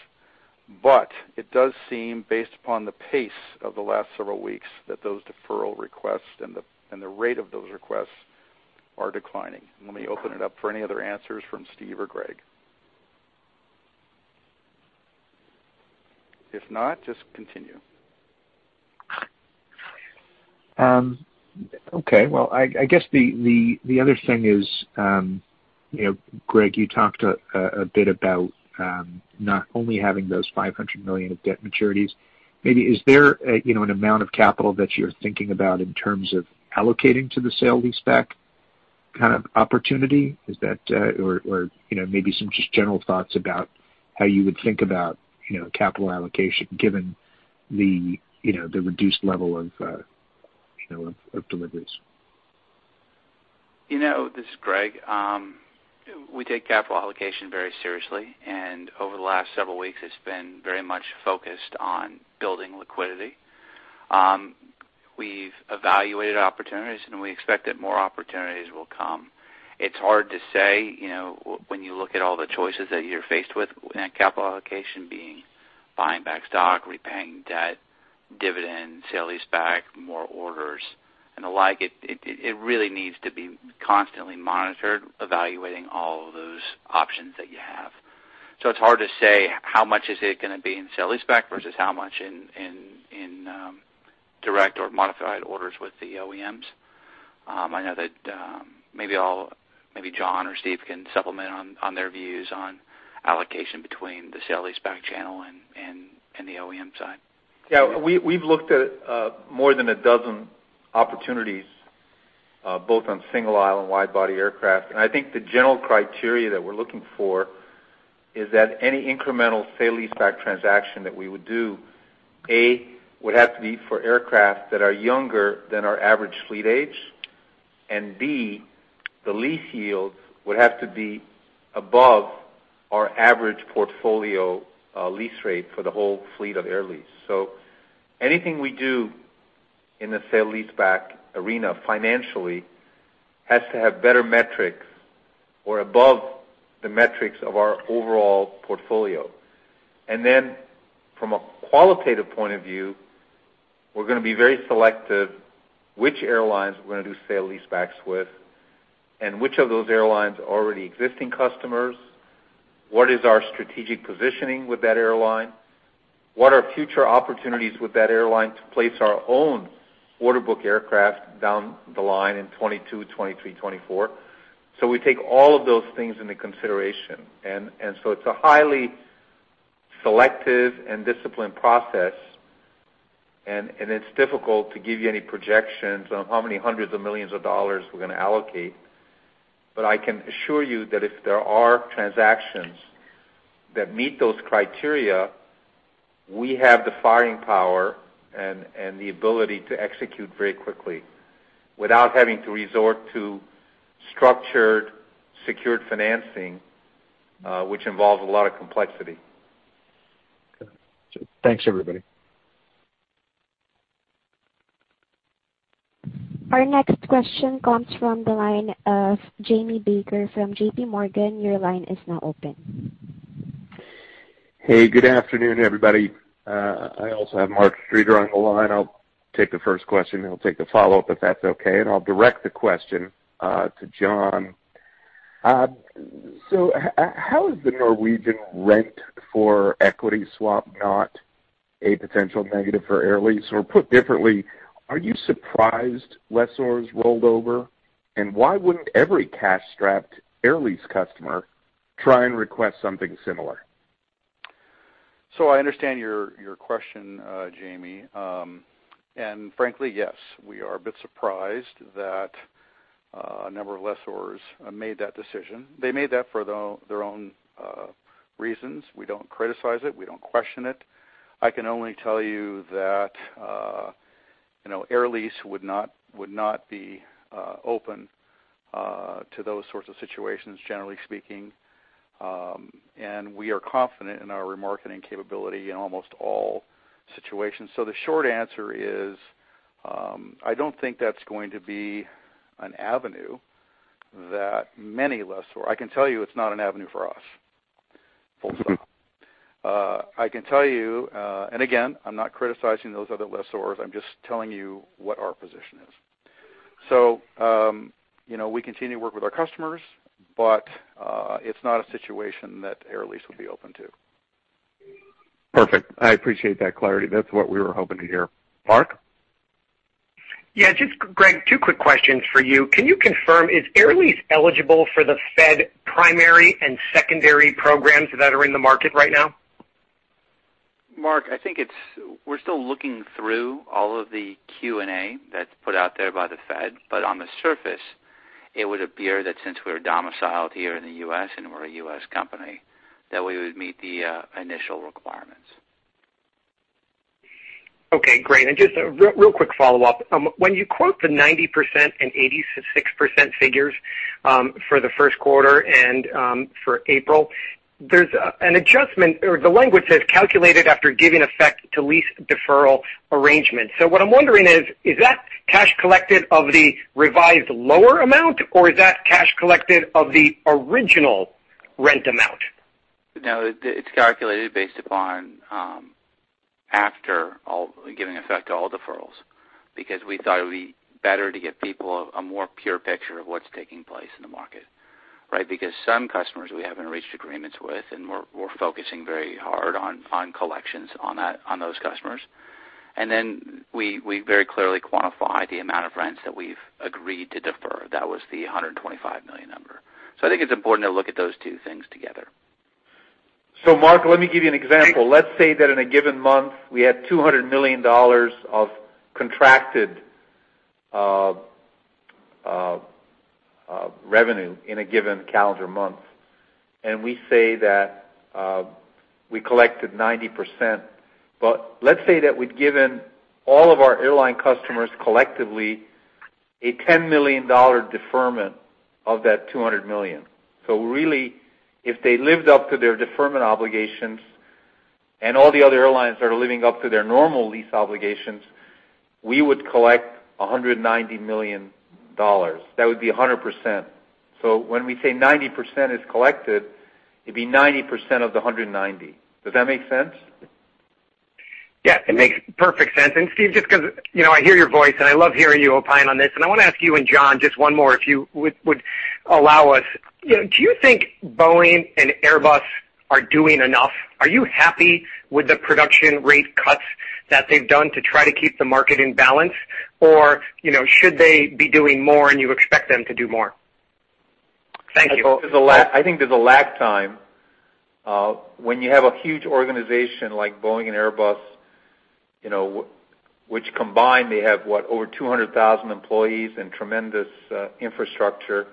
But it does seem, based upon the pace of the last several weeks, that those deferral requests and the rate of those requests are declining. Let me open it up for any other answers from Steve or Greg. If not, just continue. Okay. Well, I guess the other thing is, Greg, you talked a bit about not only having those $500 million of debt maturities. Maybe is there an amount of capital that you're thinking about in terms of allocating to the sale-leaseback kind of opportunity? Or maybe some just general thoughts about how you would think about capital allocation given the reduced level of deliveries? This is Greg. We take capital allocation very seriously, and over the last several weeks, it's been very much focused on building liquidity. We've evaluated opportunities, and we expect that more opportunities will come. It's hard to say when you look at all the choices that you're faced with, capital allocation being buying back stock, repaying debt, dividend, sale-leaseback, more orders, and the like. It really needs to be constantly monitored, evaluating all of those options that you have. So it's hard to say how much is it going to be in sale-leaseback versus how much in direct or modified orders with the OEMs. I know that maybe John or Steve can supplement on their views on allocation between the sale-leaseback channel and the OEM side. Yeah. We've looked at more than a dozen opportunities, both on single aisle and wide-body aircraft. I think the general criteria that we're looking for is that any incremental sale-leaseback transaction that we would do, A, would have to be for aircraft that are younger than our average fleet age, and B, the lease yields would have to be above our average portfolio lease rate for the whole fleet of Air Lease. Anything we do in the sale-leaseback arena financially has to have better metrics or above the metrics of our overall portfolio. From a qualitative point of view, we're going to be very selective which airlines we're going to do sale-leasebacks with and which of those airlines are already existing customers, what is our strategic positioning with that airline, what are future opportunities with that airline to place our own order book aircraft down the line in 2022, 2023, 2024. So we take all of those things into consideration. And so it's a highly selective and disciplined process, and it's difficult to give you any projections on how many hundreds of millions of dollars we're going to allocate. But I can assure you that if there are transactions that meet those criteria, we have the firepower and the ability to execute very quickly without having to resort to structured secured financing, which involves a lot of complexity. Thanks, everybody. Our next question comes from the line of Jamie Baker from JPMorgan. Your line is now open. Hey, good afternoon, everybody. I also have Mark Streeter on the line. I'll take the first question, and I'll take the follow-up if that's okay. And I'll direct the question to John. So how is the Norwegian rent for equity swap not a potential negative for Air Lease? Or put differently, are you surprised lessors rolled over? And why wouldn't every cash-strapped Air Lease customer try and request something similar? So I understand your question, Jamie. And frankly, yes, we are a bit surprised that a number of lessors made that decision. They made that for their own reasons. We don't criticize it. We don't question it. I can only tell you that Air Lease would not be open to those sorts of situations, generally speaking. And we are confident in our remarketing capability in almost all situations. So the short answer is I don't think that's going to be an avenue that many lessors, I can tell you it's not an avenue for us, full stop. I can tell you, and again, I'm not criticizing those other lessors. I'm just telling you what our position is. So we continue to work with our customers, but it's not a situation that Air Lease would be open to. Perfect. I appreciate that clarity. That's what we were hoping to hear. Mark? Yeah. Just, Greg, two quick questions for you. Can you confirm, is Air Lease eligible for the Fed primary and secondary programs that are in the market right now? Mark, I think we're still looking through all of the Q&A that's put out there by the Fed. But on the surface, it would appear that since we're domiciled here in the US and we're a US company, that we would meet the initial requirements. Okay. Great. And just a real quick follow-up. When you quote the 90% and 86% figures for the Q1 and for April, there's an adjustment, or the language says calculated after giving effect to lease deferral arrangements. So what I'm wondering is, is that cash collected of the revised lower amount, or is that cash collected of the original rent amount? No, it's calculated based upon after giving effect to all deferrals because we thought it would be better to get people a more pure picture of what's taking place in the market, right? Because some customers we haven't reached agreements with, and we're focusing very hard on collections on those customers. And then we very clearly quantify the amount of rents that we've agreed to defer. That was the $125 million number. So I think it's important to look at those two things together. So Mark, let me give you an example. Let's say that in a given month, we had $200 million of contracted revenue in a given calendar month, and we say that we collected 90%. But let's say that we'd given all of our airline customers collectively a $10 million deferment of that $200 million. So really, if they lived up to their deferment obligations and all the other airlines are living up to their normal lease obligations, we would collect $190 million. That would be 100%. So when we say 90% is collected, it'd be 90% of the 190. Does that make sense? Yeah. It makes perfect sense. And Steve, just because I hear your voice, and I love hearing you opine on this, and I want to ask you and John just one more, if you would allow us. Do you think Boeing and Airbus are doing enough? Are you happy with the production rate cuts that they've done to try to keep the market in balance, or should they be doing more and you expect them to do more? Thank you. I think there's a lag time. When you have a huge organization like Boeing and Airbus, which combined they have, what, over 200,000 employees and tremendous infrastructure,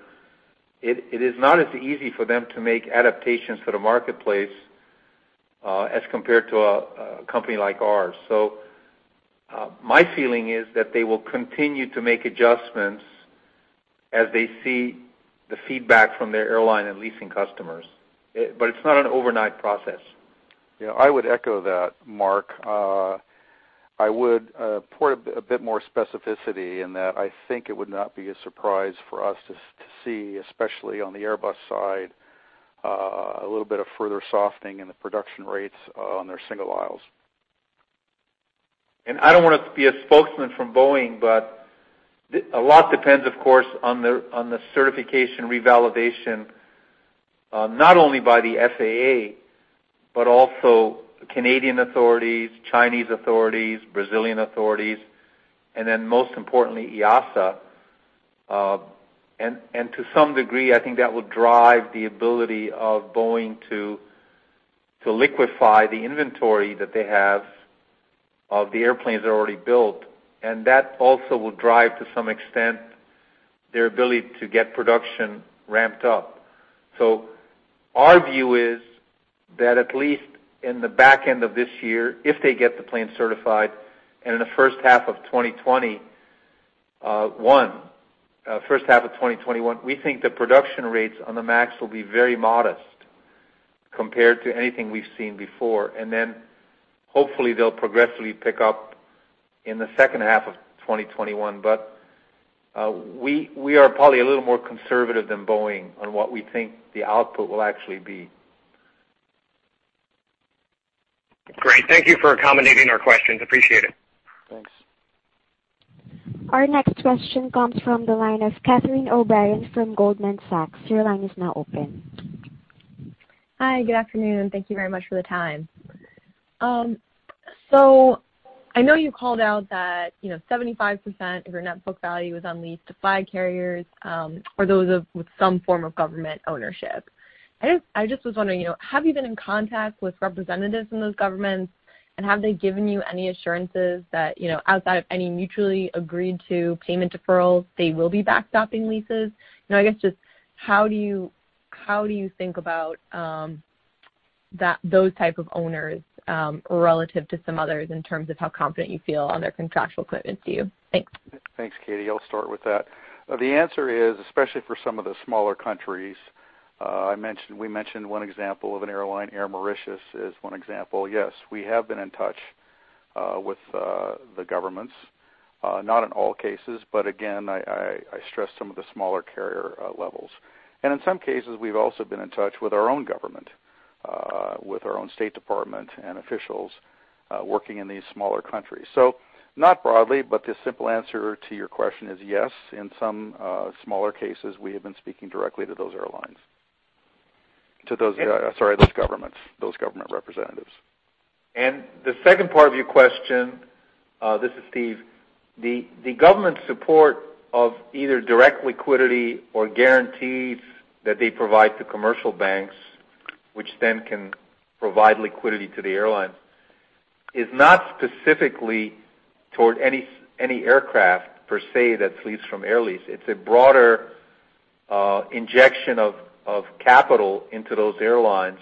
it is not as easy for them to make adaptations to the marketplace as compared to a company like ours. So my feeling is that they will continue to make adjustments as they see the feedback from their airline and leasing customers. But it's not an overnight process. Yeah. I would echo that, Mark. I would put a bit more specificity in that. I think it would not be a surprise for us to see, especially on the Airbus side, a little bit of further softening in the production rates on their single aisles. And I don't want to be a spokesman from Boeing, but a lot depends, of course, on the certification revalidation, not only by the FAA, but also Canadian authorities, Chinese authorities, Brazilian authorities, and then most importantly, EASA. And to some degree, I think that will drive the ability of Boeing to liquefy the inventory that they have of the airplanes that are already built. And that also will drive, to some extent, their ability to get production ramped up. So our view is that at least in the back end of this year, if they get the plane certified and in the first half of 2021, first half of 2021, we think the production rates on the MAX will be very modest compared to anything we've seen before. And then hopefully they'll progressively pick up in the second half of 2021. But we are probably a little more conservative than Boeing on what we think the output will actually be. Great. Thank you for accommodating our questions. Appreciate it. Thanks. Our next question comes from the line of Catherine O'Brien from Goldman Sachs. Your line is now open. Hi. Good afternoon. Thank you very much for the time. So I know you called out that 75% of your net book value was on lease to flag carriers or those with some form of government ownership. I just was wondering, have you been in contact with representatives from those governments, and have they given you any assurances that outside of any mutually agreed-to payment deferrals, they will be backstopping leases? I guess just how do you think about those types of owners relative to some others in terms of how confident you feel on their contractual commitments to you? Thanks. Thanks, Cathy. I'll start with that. The answer is, especially for some of the smaller countries, we mentioned one example of an airline, Air Mauritius is one example. Yes, we have been in touch with the governments, not in all cases, but again, I stress some of the smaller carrier levels, and in some cases, we've also been in touch with our own government, with our own State Department and officials working in these smaller countries, so not broadly, but the simple answer to your question is yes. In some smaller cases, we have been speaking directly to those airlines, to those, sorry, those governments, those government representatives. And the second part of your question, this is Steve, the government support of either direct liquidity or guarantees that they provide to commercial banks, which then can provide liquidity to the airlines, is not specifically toward any aircraft per se that's leased from Air Lease. It's a broader injection of capital into those airlines,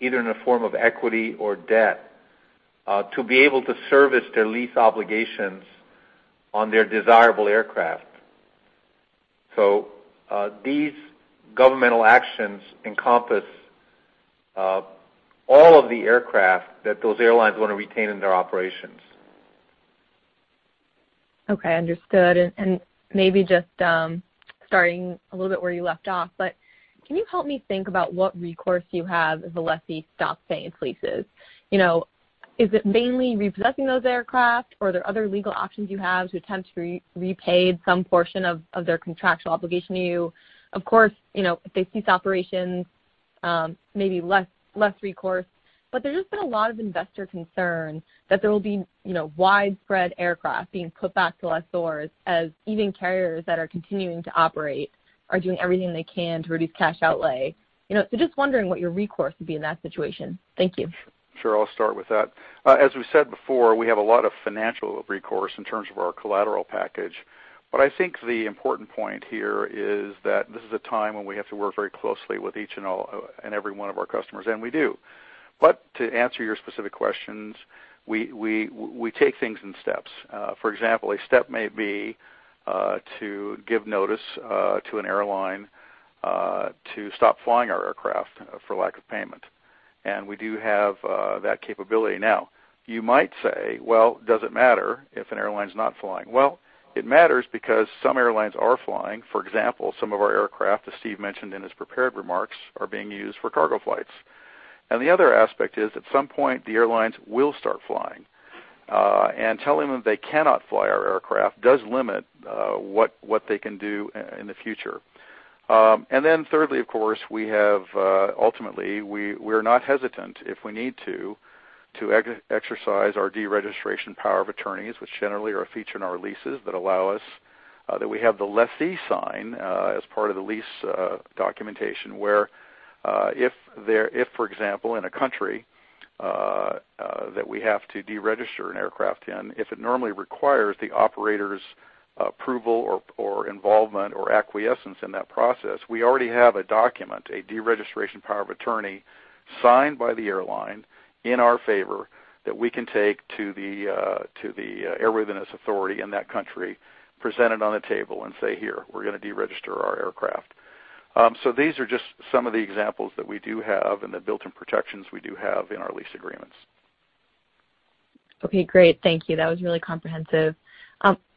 either in the form of equity or debt, to be able to service their lease obligations on their desirable aircraft. So these governmental actions encompass all of the aircraft that those airlines want to retain in their operations. Okay. Understood. And maybe just starting a little bit where you left off, but can you help me think about what recourse you have if a lessee stops paying its leases? Is it mainly repossessing those aircraft, or are there other legal options you have to attempt to repay some portion of their contractual obligation to you? Of course, if they cease operations, maybe less recourse. But there's just been a lot of investor concern that there will be widespread aircraft being put back to lessors as even carriers that are continuing to operate are doing everything they can to reduce cash outlay. So just wondering what your recourse would be in that situation. Thank you. Sure. I'll start with that. As we've said before, we have a lot of financial recourse in terms of our collateral package. But I think the important point here is that this is a time when we have to work very closely with each and every one of our customers. And we do. But to answer your specific questions, we take things in steps. For example, a step may be to give notice to an airline to stop flying our aircraft for lack of payment. We do have that capability now. You might say, "Well, does it matter if an airline's not flying?" It matters because some airlines are flying. For example, some of our aircraft, as Steve mentioned in his prepared remarks, are being used for cargo flights. The other aspect is at some point, the airlines will start flying. Telling them they cannot fly our aircraft does limit what they can do in the future. And then thirdly, of course, we have ultimately we are not hesitant if we need to exercise our deregistration power of attorneys, which generally are a feature in our leases that allow us that we have the lessee sign as part of the lease documentation where if, for example, in a country that we have to deregister an aircraft in, if it normally requires the operator's approval or involvement or acquiescence in that process, we already have a document, a deregistration power of attorney signed by the airline in our favor that we can take to the airworthiness authority in that country, present it on the table, and say, "Here, we're going to deregister our aircraft." So these are just some of the examples that we do have and the built-in protections we do have in our lease agreements. Okay. Great. Thank you. That was really comprehensive.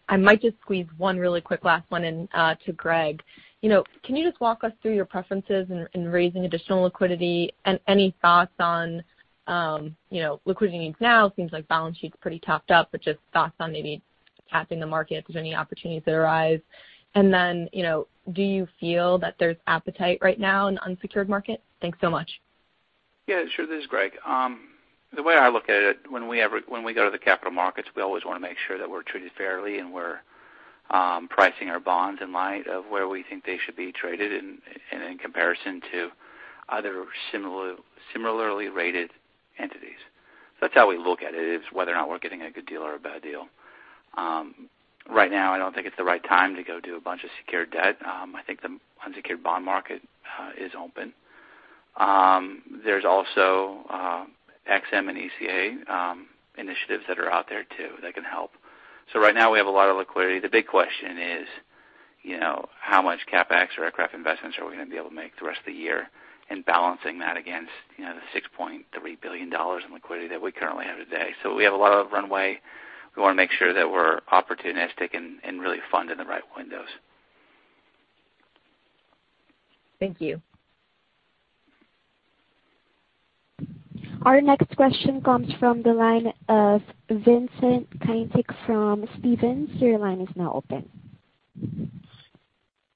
I might just squeeze one really quick last one in to Greg. Can you just walk us through your preferences in raising additional liquidity and any thoughts on liquidity needs now? It seems like balance sheet's pretty topped up, but just thoughts on maybe tapping the market if there's any opportunities that arise, and then do you feel that there's appetite right now in the unsecured market? Thanks so much. Yeah. Sure. This is Greg. The way I look at it, when we go to the capital markets, we always want to make sure that we're treated fairly and we're pricing our bonds in light of where we think they should be traded and in comparison to other similarly rated entities. So that's how we look at it, is whether or not we're getting a good deal or a bad deal. Right now, I don't think it's the right time to go do a bunch of secured debt. I think the unsecured bond market is open. There's also Ex-Im and ECA initiatives that are out there too that can help. So right now, we have a lot of liquidity. The big question is how much CapEx or aircraft investments are we going to be able to make the rest of the year and balancing that against the $6.3 billion in liquidity that we currently have today. So we have a lot of runway. We want to make sure that we're opportunistic and really fund in the right windows. Thank you. Our next question comes from the line of Vincent Caintic from Stephens. Your line is now open.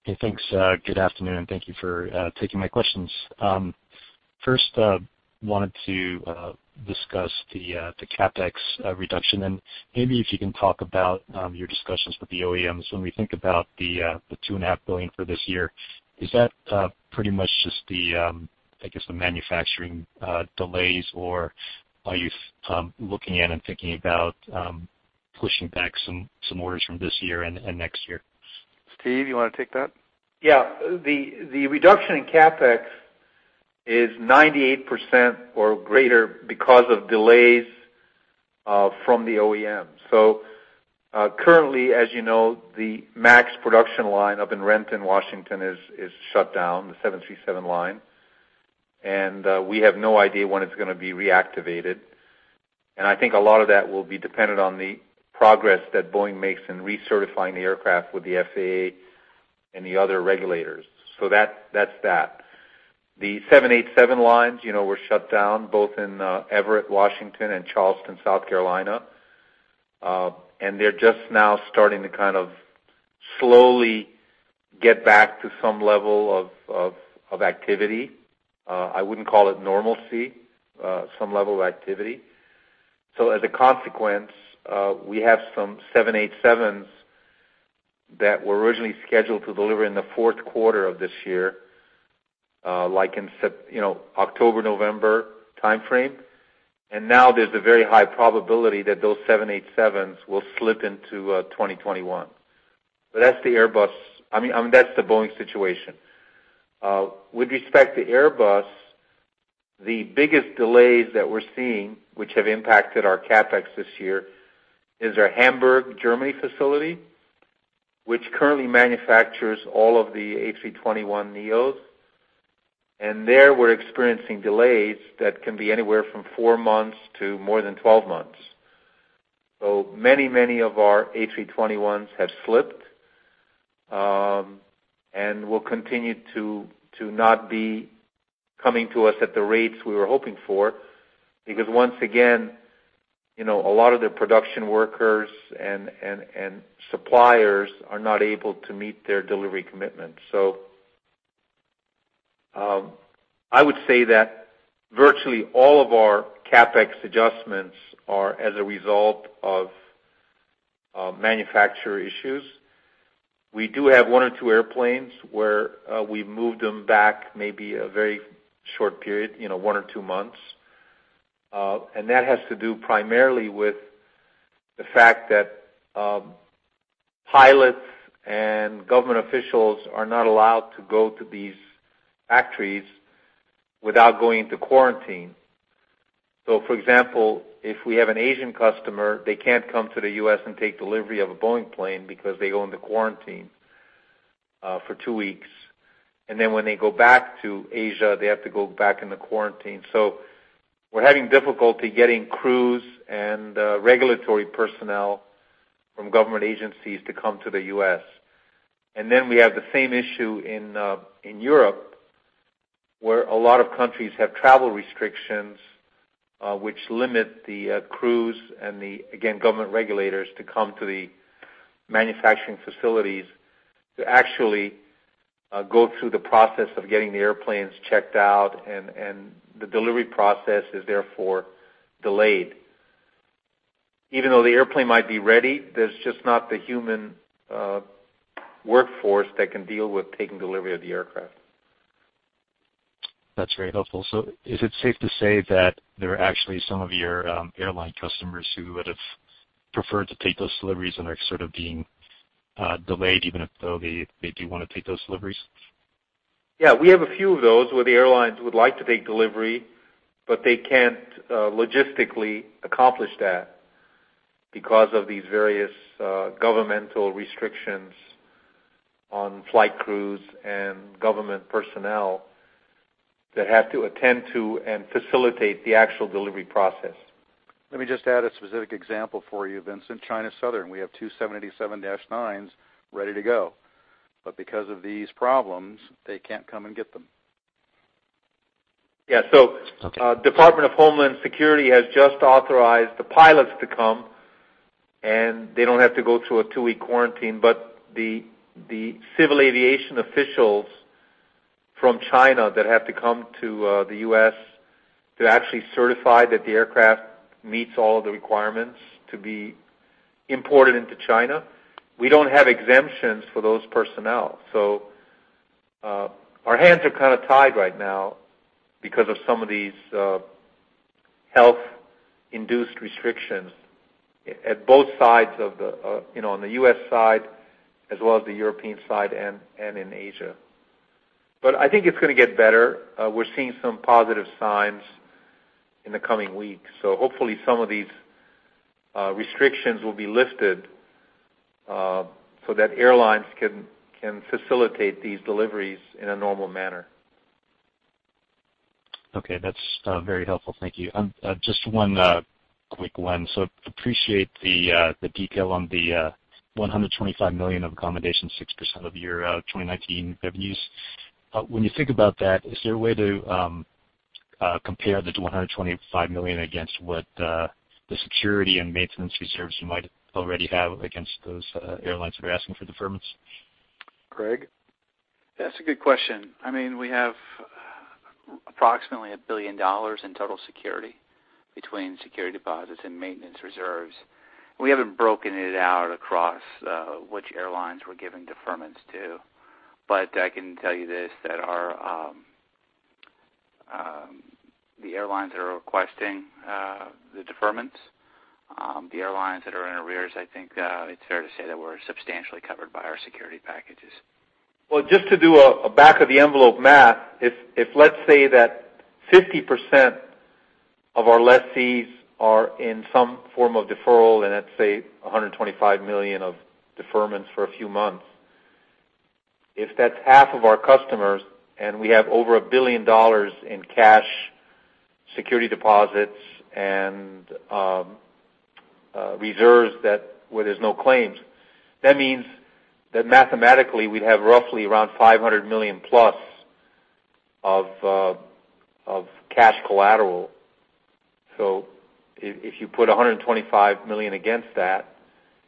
Hey. Thanks. Good afternoon. Thank you for taking my questions. First, I wanted to discuss the CapEx reduction. And maybe if you can talk about your discussions with the OEMs when we think about the $2.5 billion for this year, is that pretty much just the, I guess, the manufacturing delays, or are you looking at and thinking about pushing back some orders from this year and next year? Steve, you want to take that? Yeah. The reduction in CapEx is 98% or greater because of delays from the OEMs. So currently, as you know, the MAX production line up in Renton, Washington, is shut down, the 737 line. And we have no idea when it is going to be reactivated. And I think a lot of that will be dependent on the progress that Boeing makes in recertifying the aircraft with the FAA and the other regulators. So that is that. The 787 lines were shut down both in Everett, Washington, and Charleston, South Carolina. And they're just now starting to kind of slowly get back to some level of activity. I wouldn't call it normalcy, some level of activity. So as a consequence, we have some 787s that were originally scheduled to deliver in the Q4 of this year, like in October, November timeframe. And now there's a very high probability that those 787s will slip into 2021. But that's the Airbus. I mean, that's the Boeing situation. With respect to Airbus, the biggest delays that we're seeing, which have impacted our CapEx this year, is our Hamburg, Germany facility, which currently manufactures all of the A321neos. And there we're experiencing delays that can be anywhere from four months to more than 12 months. So many, many of our A321s have slipped and will continue to not be coming to us at the rates we were hoping for because, once again, a lot of their production workers and suppliers are not able to meet their delivery commitments, so I would say that virtually all of our CapEx adjustments are as a result of manufacturer issues. We do have one or two airplanes where we moved them back maybe a very short period, one or two months, and that has to do primarily with the fact that pilots and government officials are not allowed to go to these factories without going into quarantine, so, for example, if we have an Asian customer, they can't come to the US and take delivery of a Boeing plane because they go into quarantine for two weeks. And then when they go back to Asia, they have to go back into quarantine. So we're having difficulty getting crews and regulatory personnel from government agencies to come to the US. And then we have the same issue in Europe where a lot of countries have travel restrictions, which limit the crews and the, again, government regulators to come to the manufacturing facilities to actually go through the process of getting the airplanes checked out. And the delivery process is therefore delayed. Even though the airplane might be ready, there's just not the human workforce that can deal with taking delivery of the aircraft. That's very helpful. So is it safe to say that there are actually some of your airline customers who would have preferred to take those deliveries and are sort of being delayed, even though they do want to take those deliveries? Yeah. We have a few of those where the airlines would like to take delivery, but they can't logistically accomplish that because of these various governmental restrictions on flight crews and government personnel that have to attend to and facilitate the actual delivery process. Let me just add a specific example for you, Vincent. China Southern, we have two 787-9s ready to go. But because of these problems, they can't come and get them. Yeah. So the Department of Homeland Security has just authorized the pilots to come, and they don't have to go through a two-week quarantine. But the civil aviation officials from China that have to come to the US to actually certify that the aircraft meets all of the requirements to be imported into China, we don't have exemptions for those personnel. So our hands are kind of tied right now because of some of these health-induced restrictions at both sides of the, on the US side as well as the European side and in Asia. But I think it's going to get better. We're seeing some positive signs in the coming weeks. So hopefully, some of these restrictions will be lifted so that airlines can facilitate these deliveries in a normal manner. Okay. That's very helpful. Thank you. Just one quick one. So appreciate the detail on the $125 million of accommodation, 6% of your 2019 revenues. When you think about that, is there a way to compare the $125 million against what the security and maintenance reserves you might already have against those airlines that are asking for deferments? Greg? That's a good question. I mean, we have approximately $1 billion in total security between security deposits and maintenance reserves. We haven't broken it out across which airlines we're giving deferments to. But I can tell you this, that the airlines that are requesting the deferments, the airlines that are in arrears, I think it's fair to say that we're substantially covered by our security packages. Well, just to do a back-of-the-envelope math, if let's say that 50% of our lessees are in some form of deferral, and let's say $125 million of deferments for a few months, if that's half of our customers and we have over $1 billion in cash, security deposits, and reserves where there's no claims, that means that mathematically, we'd have roughly around $500 million plus of cash collateral. So if you put $125 million against that,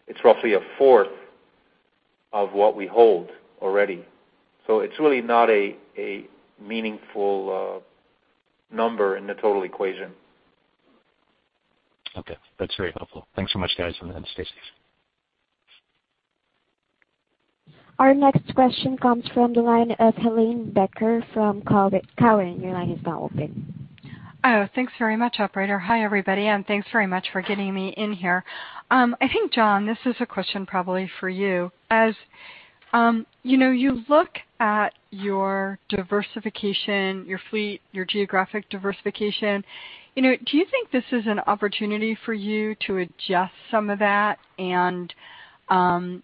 it's roughly a fourth of what we hold already. So it's really not a meaningful number in the total equation. Okay. That's very helpful. Thanks so much, guys, and stay safe. Our next question comes from the line of Helane Becker from Cowen. Your line is now open. Thanks very much, operator. Hi, everybody. And thanks very much for getting me in here. I think, John, this is a question probably for you. As you look at your diversification, your fleet, your geographic diversification, do you think this is an opportunity for you to adjust some of that and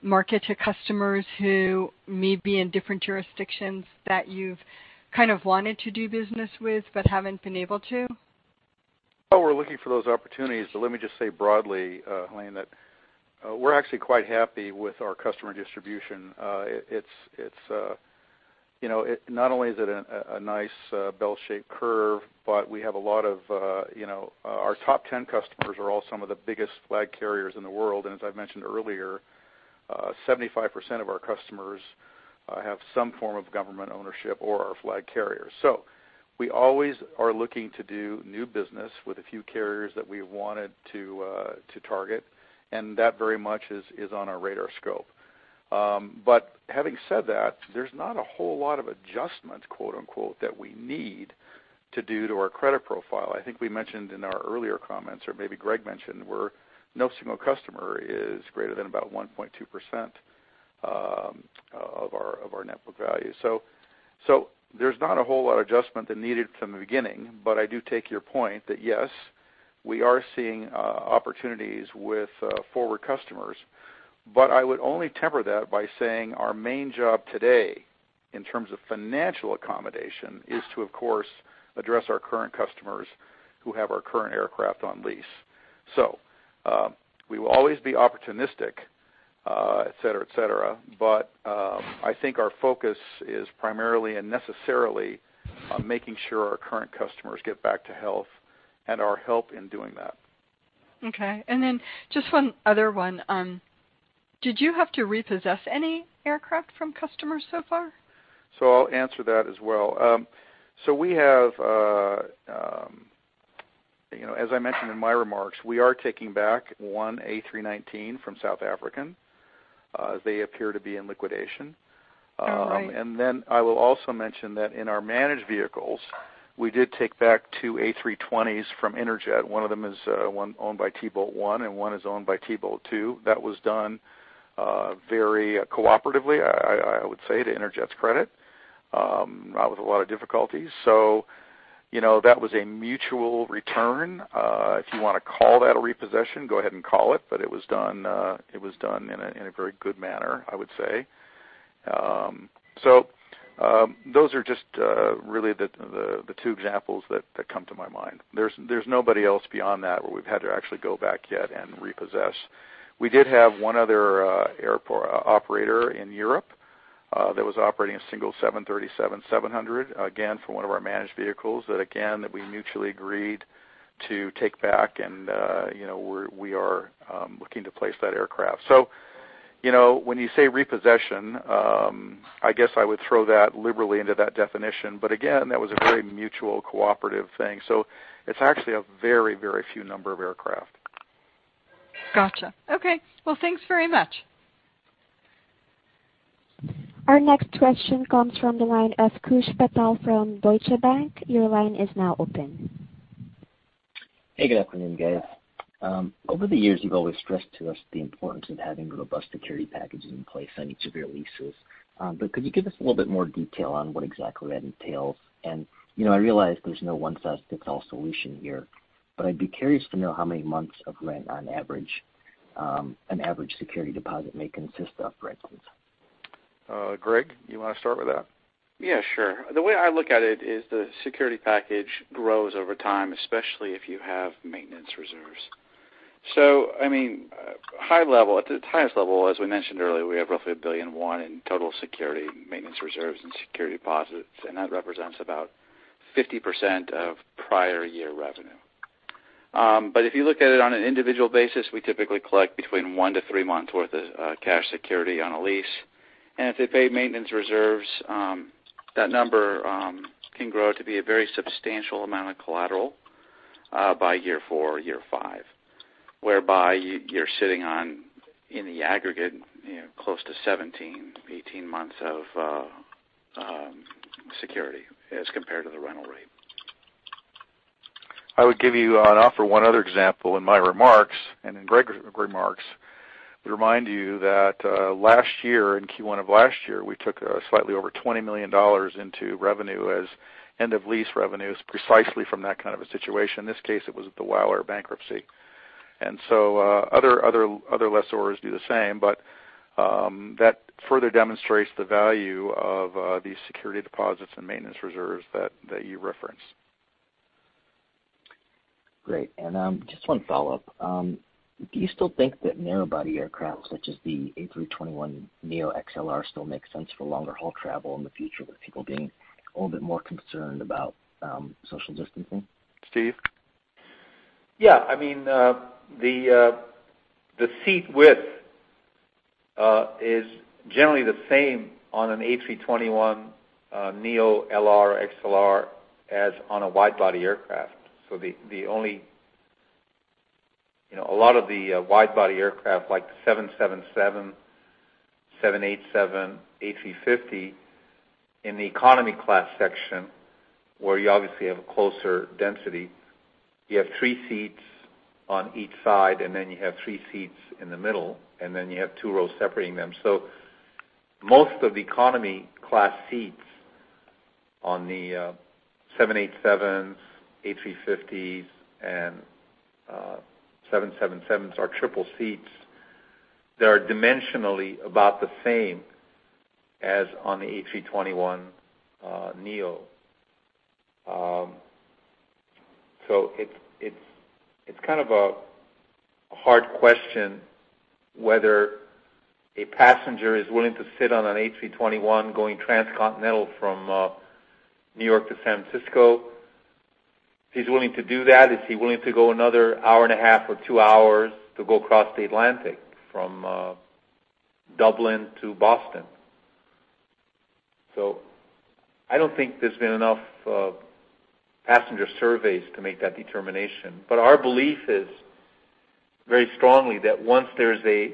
market to customers who may be in different jurisdictions that you've kind of wanted to do business with but haven't been able to? Well, we're looking for those opportunities. But let me just say broadly, Helane, that we're actually quite happy with our customer distribution. It's not only is it a nice bell-shaped curve, but we have a lot of our top 10 customers are all some of the biggest flag carriers in the world. And as I mentioned earlier, 75% of our customers have some form of government ownership or are flag carriers. So we always are looking to do new business with a few carriers that we wanted to target. And that very much is on our radar scope. But having said that, there's not a whole lot of "adjustment" that we need to do to our credit profile. I think we mentioned in our earlier comments, or maybe Greg mentioned, where no single customer is greater than about 1.2% of our net book value. So there's not a whole lot of adjustment that's needed from the beginning. But I do take your point that, yes, we are seeing opportunities with forward customers. But I would only temper that by saying our main job today in terms of financial accommodation is to, of course, address our current customers who have our current aircraft on lease. So we will always be opportunistic, etc., etc. But I think our focus is primarily and necessarily on making sure our current customers get back to health and our help in doing that. Okay. And then just one other one. Did you have to repossess any aircraft from customers so far? So I'll answer that as well. So we have, as I mentioned in my remarks, we are taking back one A319 from South African as they appear to be in liquidation. All right. And then I will also mention that in our managed vehicles, we did take back two A320s from Interjet. One of them is owned by T-Bolt One, and one is owned by T-Bolt Two. That was done very cooperatively, I would say, to Interjet's credit, not with a lot of difficulties. So that was a mutual return. If you want to call that a repossession, go ahead and call it. But it was done in a very good manner, I would say. So those are just really the two examples that come to my mind. There's nobody else beyond that where we've had to actually go back yet and repossess. We did have one other operator in Europe that was operating a single 737-700, again, for one of our managed vehicles that, again, we mutually agreed to take back. And we are looking to place that aircraft. So when you say repossession, I guess I would throw that liberally into that definition. But again, that was a very mutual cooperative thing. So it's actually a very, very few number of aircraft. Got you. Okay. Well, thanks very much. Our next question comes from the line of Koosh Patel from Deutsche Bank. Your line is now open. Hey, good afternoon, guys. Over the years, you've always stressed to us the importance of having robust security packages in place on each of your leases. But could you give us a little bit more detail on what exactly that entails? And I realize there's no one-size-fits-all solution here. But I'd be curious to know how many months of rent on average, an average security deposit may consist of, for instance. Greg, you want to start with that? Yeah, sure. The way I look at it is the security package grows over time, especially if you have maintenance reserves. So, I mean, high level, at the highest level, as we mentioned earlier, we have roughly $1.1 billion in total security, maintenance reserves, and security deposits. And that represents about 50% of prior year revenue. But if you look at it on an individual basis, we typically collect between one to three months' worth of cash security on a lease. And if they pay maintenance reserves, that number can grow to be a very substantial amount of collateral by year four or year five, whereby you're sitting on, in the aggregate, close to 17-18 months of security as compared to the rental rate. I would offer you one other example in my remarks and in Greg's remarks to remind you that last year, in Q1 of last year, we took slightly over $20 million into revenue as end-of-lease revenues precisely from that kind of a situation. In this case, it was the WOW Air bankruptcy. And so other lessors do the same. But that further demonstrates the value of these security deposits and maintenance reserves that you referenced. Great. And just one follow-up. Do you still think that narrow-body aircraft such as the A321neo XLR still make sense for longer haul travel in the future with people being a little bit more concerned about social distancing? Steve? Yeah. I mean, the seat width is generally the same on an A321neo LR XLR as on a wide-body aircraft. So the only a lot of the wide-body aircraft like the 777, 787, A350 in the economy class section where you obviously have a closer density, you have three seats on each side, and then you have three seats in the middle, and then you have two rows separating them. So most of the economy class seats on the 787s, A350s, and 777s are triple seats. They are dimensionally about the same as on the A321neo, so it's kind of a hard question whether a passenger is willing to sit on an A321 going transcontinental from New York to San Francisco. If he's willing to do that, is he willing to go another hour and a half or two hours to go across the Atlantic from Dublin to Boston? So I don't think there's been enough passenger surveys to make that determination, but our belief is very strongly that once there's a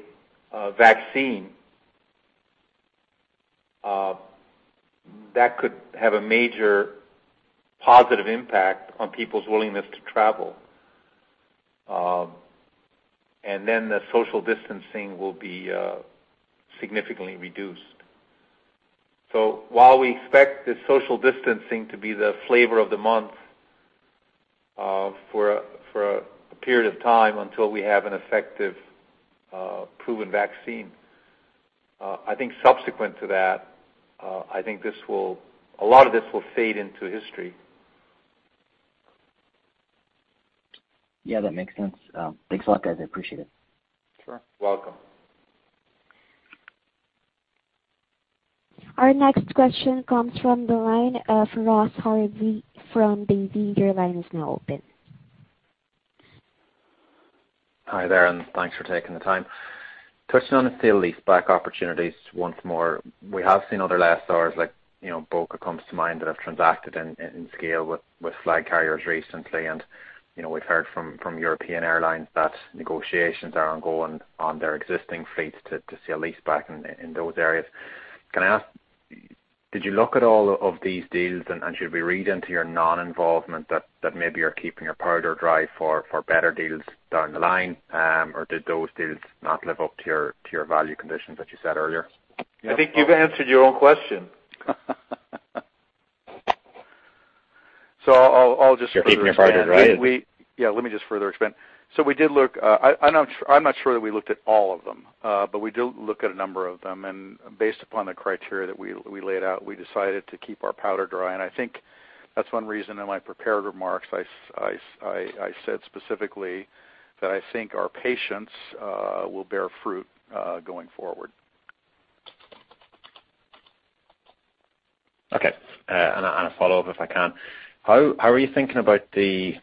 vaccine, that could have a major positive impact on people's willingness to travel, and then the social distancing will be significantly reduced. So while we expect the social distancing to be the flavor of the month for a period of time until we have an effective proven vaccine, I think subsequent to that, I think a lot of this will fade into history. Yeah, that makes sense. Thanks a lot, guys. I appreciate it. Sure. Welcome. Our next question comes from the line of Ross Harvey from Davy. Your line is now open. Hi there, and thanks for taking the time. Touching on the lease-back opportunities once more, we have seen other lessors like BOC Aviation comes to mind that have transacted in scale with flag carriers recently. And we've heard from European airlines that negotiations are ongoing on their existing fleets to see a lease-back in those areas. Can I ask, did you look at all of these deals, and should we read into your non-involvement that maybe you're keeping your powder dry for better deals down the line? Or did those deals not live up to your value conditions that you said earlier? I think you've answered your own question. So I'll just.. further explain. You're keeping your powder dry, right? Yeah, let me just further explain. So we did look, I'm not sure that we looked at all of them. But we did look at a number of them. And based upon the criteria that we laid out, we decided to keep our powder dry. And I think that's one reason in my prepared remarks I said specifically that I think our patience will bear fruit going forward. Okay. And a follow-up, if I can. How are you thinking about the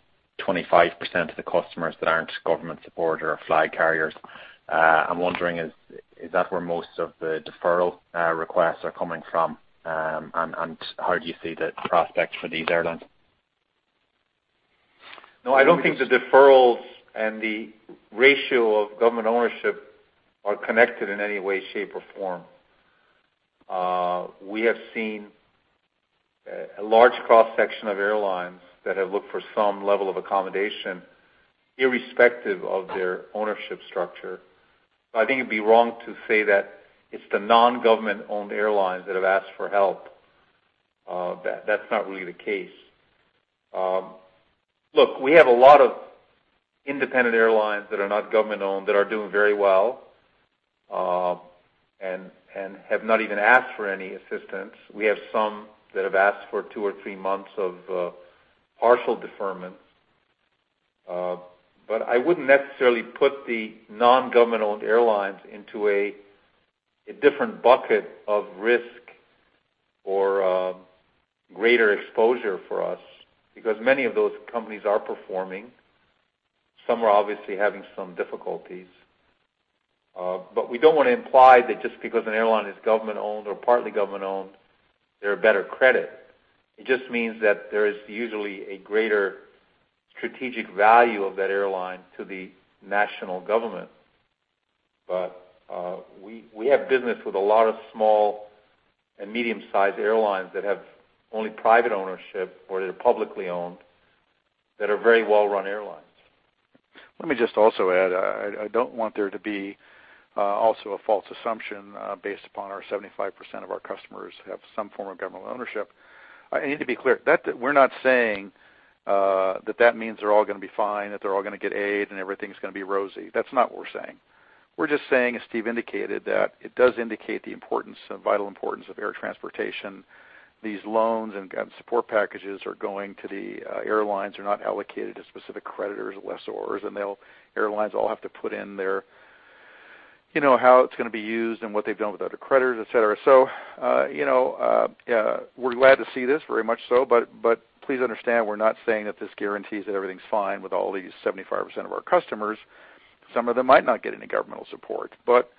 25% of the customers that aren't government-supported or flag carriers? I'm wondering, is that where most of the deferral requests are coming from? And how do you see the prospects for these airlines? No, I don't think the deferrals and the ratio of government ownership are connected in any way, shape, or form. We have seen a large cross-section of airlines that have looked for some level of accommodation irrespective of their ownership structure. But I think it'd be wrong to say that it's the non-government-owned airlines that have asked for help. That's not really the case. Look, we have a lot of independent airlines that are not government-owned that are doing very well and have not even asked for any assistance. We have some that have asked for two or three months of partial deferment. But I wouldn't necessarily put the non-government-owned airlines into a different bucket of risk or greater exposure for us because many of those companies are performing. Some are obviously having some difficulties. But we don't want to imply that just because an airline is government-owned or partly government-owned, they're a better credit. It just means that there is usually a greater strategic value of that airline to the national government. But we have business with a lot of small and medium-sized airlines that have only private ownership or that are publicly owned that are very well-run airlines. Let me just also add, I don't want there to be also a false assumption based upon our 75% of our customers have some form of government ownership. I need to be clear. We're not saying that that means they're all going to be fine, that they're all going to get aid, and everything's going to be rosy. That's not what we're saying. We're just saying, as Steve indicated, that it does indicate the vital importance of air transportation. These loans and support packages are going to the airlines. They're not allocated to specific creditors or lessors. And airlines all have to put in how it's going to be used and what they've done with other creditors, etc. So we're glad to see this, very much so. But please understand, we're not saying that this guarantees that everything's fine with all these 75% of our customers. Some of them might not get any governmental support. But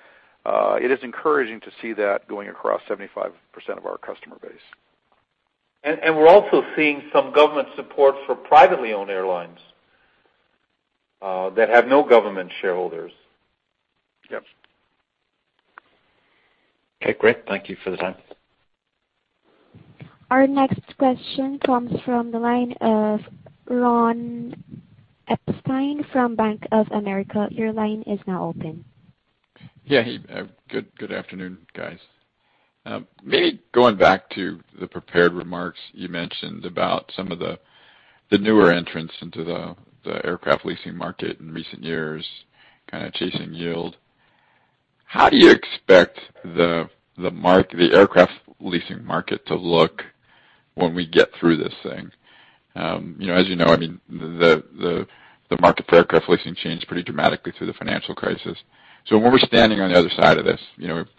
it is encouraging to see that going across 75% of our customer base. And we're also seeing some government support for privately owned airlines that have no government shareholders. Yep. Okay, great. Thank you for the time. Our next question comes from the line of Ron Epstein from Bank of America. Your line is now open. Yeah. Good afternoon, guys. Maybe going back to the prepared remarks you mentioned about some of the newer entrants into the aircraft leasing market in recent years, kind of chasing yield. How do you expect the aircraft leasing market to look when we get through this thing? As you know, I mean, the market for aircraft leasing changed pretty dramatically through the financial crisis. So when we're standing on the other side of this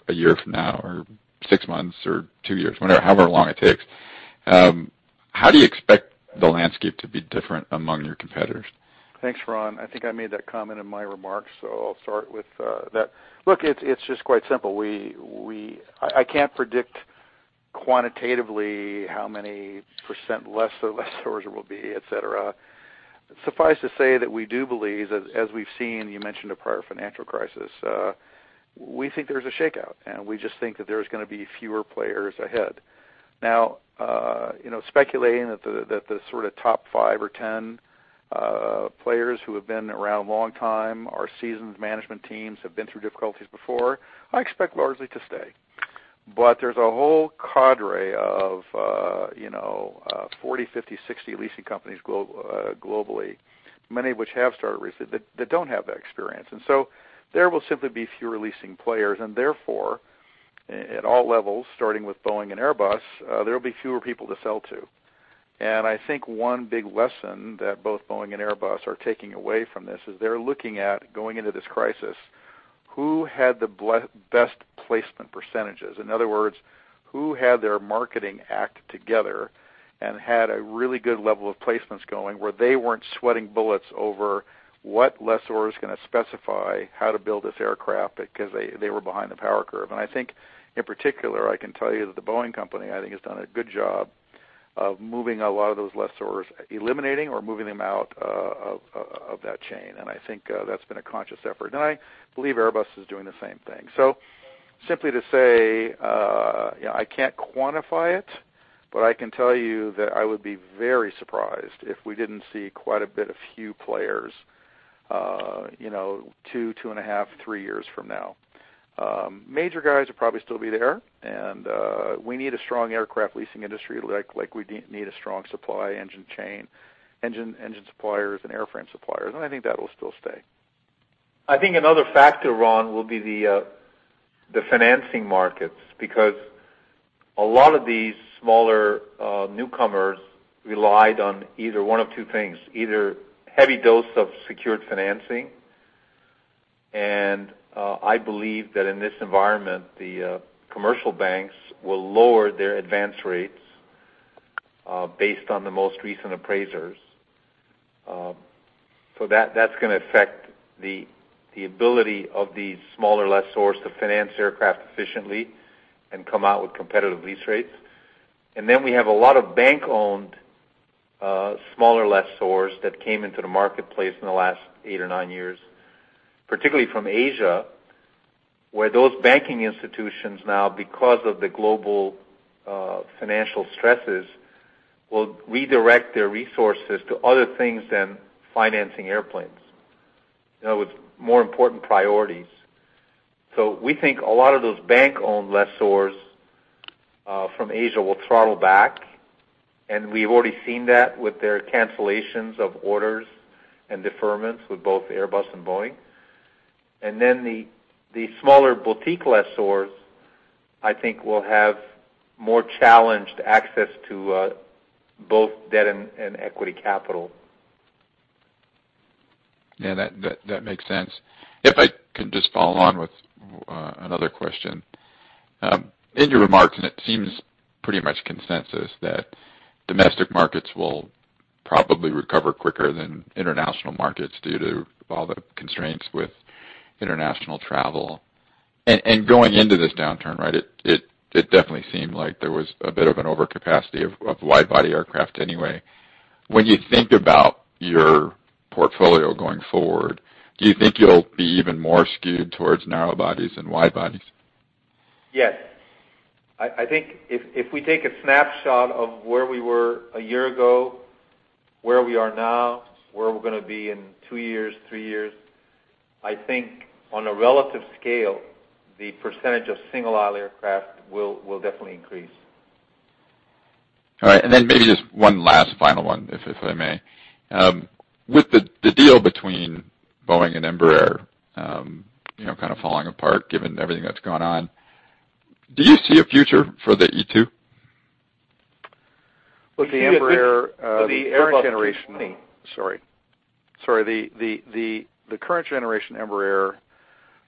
a year from now or six months or two years, however long it takes, how do you expect the landscape to be different among your competitors? Thanks, Ron. I think I made that comment in my remarks. So I'll start with that. Look, it's just quite simple. I can't predict quantitatively how many % less the lessors will be, etc. Suffice to say that we do believe, as we've seen, you mentioned a prior financial crisis, we think there's a shakeout. And we just think that there's going to be fewer players ahead. Now, speculating that the sort of top five or 10 players who have been around a long time, our seasoned management teams have been through difficulties before, I expect largely to stay. But there's a whole cadre of 40, 50, 60 leasing companies globally, many of which have started recently, that don't have that experience. And so there will simply be fewer leasing players. And therefore, at all levels, starting with Boeing and Airbus, there will be fewer people to sell to. And I think one big lesson that both Boeing and Airbus are taking away from this is they're looking at going into this crisis, who had the best placement percentages? In other words, who had their marketing act together and had a really good level of placements going where they weren't sweating bullets over what lessor is going to specify how to build this aircraft because they were behind the power curve? And I think, in particular, I can tell you that the Boeing company, I think, has done a good job of moving a lot of those lessors, eliminating or moving them out of that chain. And I think that's been a conscious effort. And I believe Airbus is doing the same thing. So simply to say, I can't quantify it, but I can tell you that I would be very surprised if we didn't see quite a bit fewer players two, two and a half, three years from now. Major guys will probably still be there. And we need a strong aircraft leasing industry like we need a strong supply chain, engine suppliers, and airframe suppliers. I think that will still stay. I think another factor, Ron, will be the financing markets because a lot of these smaller newcomers relied on either one of two things: either heavy dose of secured financing. And I believe that in this environment, the commercial banks will lower their advance rates based on the most recent appraisals. So that's going to affect the ability of these smaller lessors to finance aircraft efficiently and come out with competitive lease rates. And then we have a lot of bank-owned smaller lessors that came into the marketplace in the last eight or nine years, particularly from Asia, where those banking institutions now, because of the global financial stresses, will redirect their resources to other things than financing airplanes. It was more important priorities. So we think a lot of those bank-owned lessors from Asia will throttle back. And we've already seen that with their cancellations of orders and deferments with both Airbus and Boeing. And then the smaller boutique lessors, I think, will have more challenged access to both debt and equity capital. Yeah, that makes sense. If I can just follow on with another question. In your remarks, and it seems pretty much consensus that domestic markets will probably recover quicker than international markets due to all the constraints with international travel. And going into this downturn, right, it definitely seemed like there was a bit of an overcapacity of wide-body aircraft anyway. When you think about your portfolio going forward, do you think you'll be even more skewed towards narrow bodies and wide bodies? Yes. I think if we take a snapshot of where we were a year ago, where we are now, where we're going to be in two years, three years, I think on a relative scale, the percentage of single-aisle aircraft will definitely increase. All right. And then maybe just one last final one, if I may. With the deal between Boeing and Embraer kind of falling apart given everything that's gone on, do you see a future for the E2? Look, the Embraer. The current generation. Sorry. Sorry. The current generation Embraer,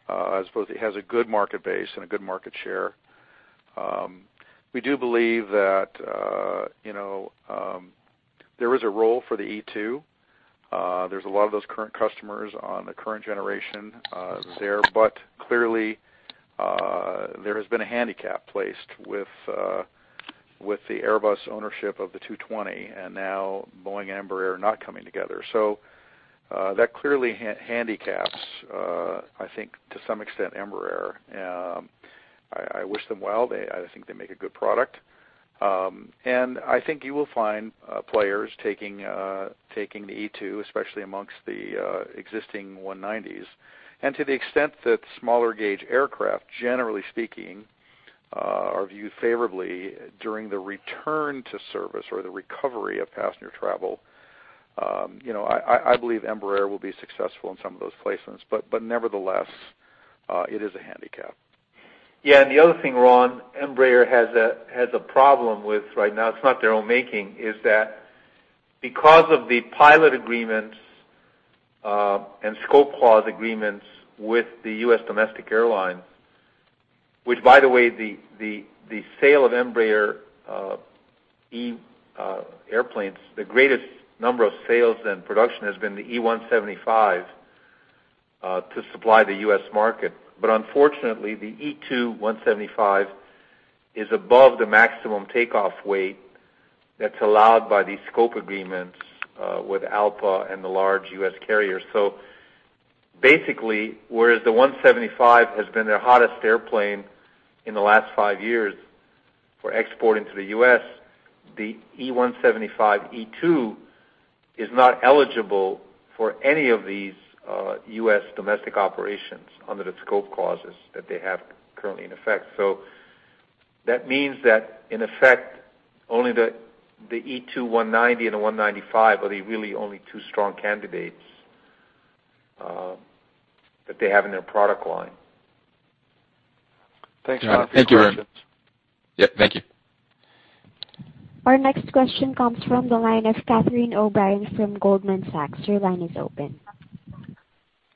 I suppose, has a good market base and a good market share. We do believe that there is a role for the E2. There's a lot of those current customers on the current generation there. But clearly, there has been a handicap placed with the Airbus ownership of the 220. And now Boeing and Embraer are not coming together. So that clearly handicaps, I think, to some extent, Embraer. I wish them well. I think they make a good product. And I think you will find players taking the E2, especially among the existing 190s. And to the extent that smaller gauge aircraft, generally speaking, are viewed favorably during the return to service or the recovery of passenger travel, I believe Embraer will be successful in some of those placements. But nevertheless, it is a handicap. Yeah. And the other thing, Ron, Embraer has a problem with right now. It's not their own making. is that because of the pilot agreements and scope clause agreements with the US domestic airlines, which, by the way, the sale of Embraer airplanes, the greatest number of sales and production has been the E-175 to supply the US market. But unfortunately, the E175-E2 is above the maximum takeoff weight that's allowed by the scope agreements with ALPA and the large US carriers. So basically, whereas the E175 has been their hottest airplane in the last five years for export into the US, the E175-E2 is not eligible for any of these US domestic operations under the scope clauses that they have currently in effect. So that means that, in effect, only the E190-E2 and the E195-E2 are the really only two strong candidates that they have in their product line. Thanks for the questions. Thank you, Ron. Yeah. Thank you. Our next question comes from the line of Catherine O'Brien from Goldman Sachs. Your line is open.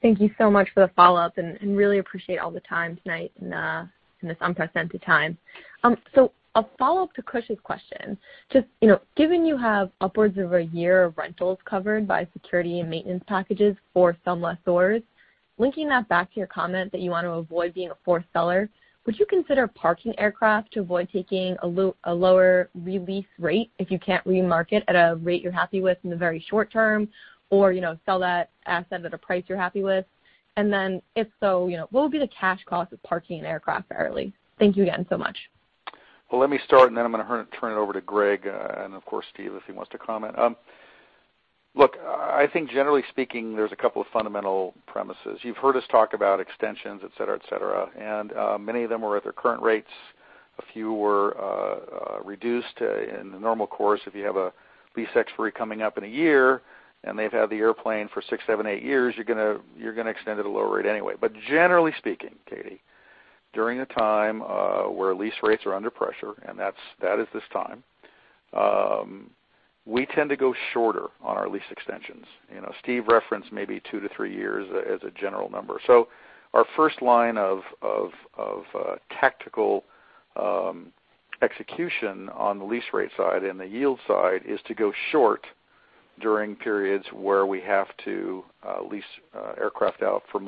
Thank you so much for the follow-up, and really appreciate all the time tonight in this unprecedented time, so a follow-up to Koosh's question. Just given you have upwards of a year of rentals covered by security and maintenance packages for some lessors, linking that back to your comment that you want to avoid being a forced seller, would you consider parking aircraft to avoid taking a lower release rate if you can't remarket at a rate you're happy with in the very short term or sell that asset at a price you're happy with? And then if so, what would be the cash cost of parking an aircraft early? Thank you again so much. Well, let me start, and then I'm going to turn it over to Greg and, of course, Steve if he wants to comment. Look, I think generally speaking, there's a couple of fundamental premises. You've heard us talk about extensions, etc., etc. And many of them were at their current rates. A few were reduced. In the normal course, if you have a lease expiry coming up in a year and they've had the airplane for six, seven, eight years, you're going to extend at a lower rate anyway. But generally speaking, Katie, during a time where lease rates are under pressure, and that is this time, we tend to go shorter on our lease extensions. Steve referenced maybe two to three years as a general number. So our first line of tactical execution on the lease rate side and the yield side is to go short during periods where we have to lease aircraft out for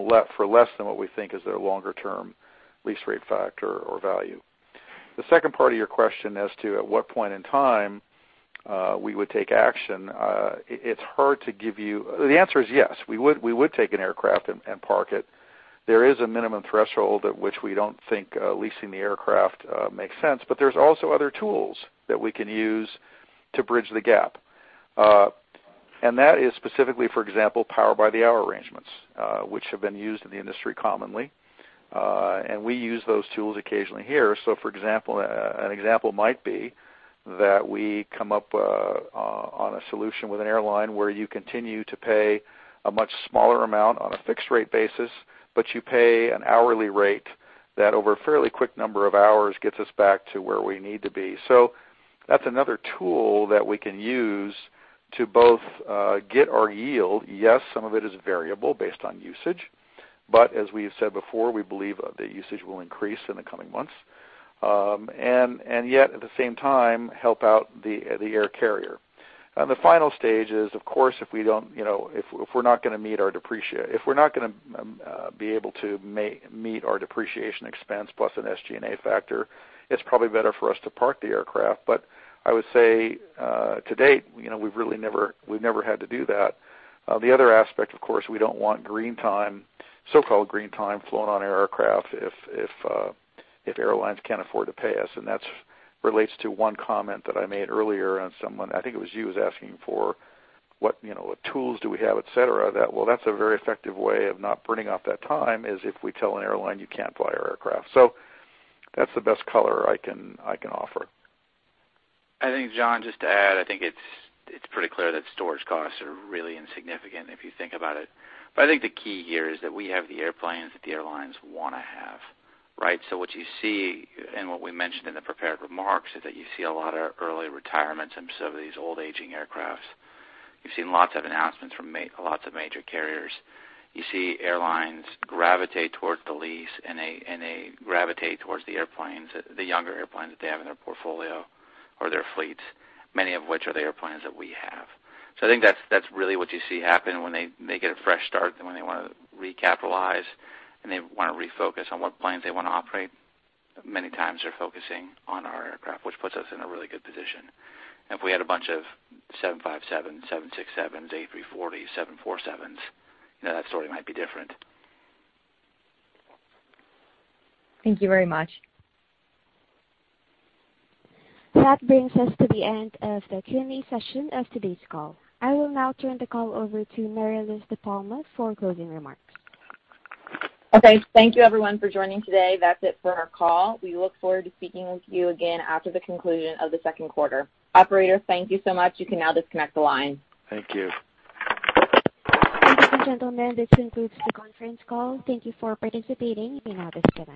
less than what we think is their longer-term lease rate factor or value. The second part of your question as to at what point in time we would take action, it's hard to give you the answer, is yes. We would take an aircraft and park it. There is a minimum threshold at which we don't think leasing the aircraft makes sense, but there's also other tools that we can use to bridge the gap, and that is specifically, for example, power-by-the-hour arrangements, which have been used in the industry commonly, and we use those tools occasionally here, so, for example, an example might be that we come up on a solution with an airline where you continue to pay a much smaller amount on a fixed-rate basis, but you pay an hourly rate that over a fairly quick number of hours gets us back to where we need to be, so that's another tool that we can use to both get our yield. Yes, some of it is variable based on usage, but as we've said before, we believe that usage will increase in the coming months. And yet, at the same time, help out the air carrier. And the final stage is, of course, if we're not going to be able to meet our depreciation expense plus an SG&A factor, it's probably better for us to park the aircraft. But I would say to date, we've never had to do that. The other aspect, of course, we don't want so-called green time flown on aircraft if airlines can't afford to pay us. And that relates to one comment that I made earlier on someone, I think it was you, asking for what tools do we have, etc. Well, that's a very effective way of not burning off that time is if we tell an airline you can't buy our aircraft. So that's the best color I can offer. I think, John, just to add, I think it's pretty clear that storage costs are really insignificant if you think about it. But I think the key here is that we have the airplanes that the airlines want to have, right? So what you see and what we mentioned in the prepared remarks is that you see a lot of early retirements of some of these old, aging aircraft. You've seen lots of announcements from lots of major carriers. You see airlines gravitate towards the lease and they gravitate towards the airplanes, the younger airplanes that they have in their portfolio or their fleets, many of which are the airplanes that we have. So I think that's really what you see happen when they get a fresh start, when they want to recapitalize and they want to refocus on what planes they want to operate. Many times they're focusing on our aircraft, which puts us in a really good position. If we had a bunch of 757s, 767s, A340s, 747s, that story might be different. Thank you very much. That brings us to the end of the Q&A session of today's call. I will now turn the call over to Mary Liz DePalma for closing remarks. Okay. Thank you, everyone, for joining today. That's it for our call. We look forward to speaking with you again after the conclusion of the Q2. Operator, thank you so much. You can now disconnect the line. Thank you. Thank you, gentlemen. This concludes the conference call. Thank you for participating. You may now disconnect.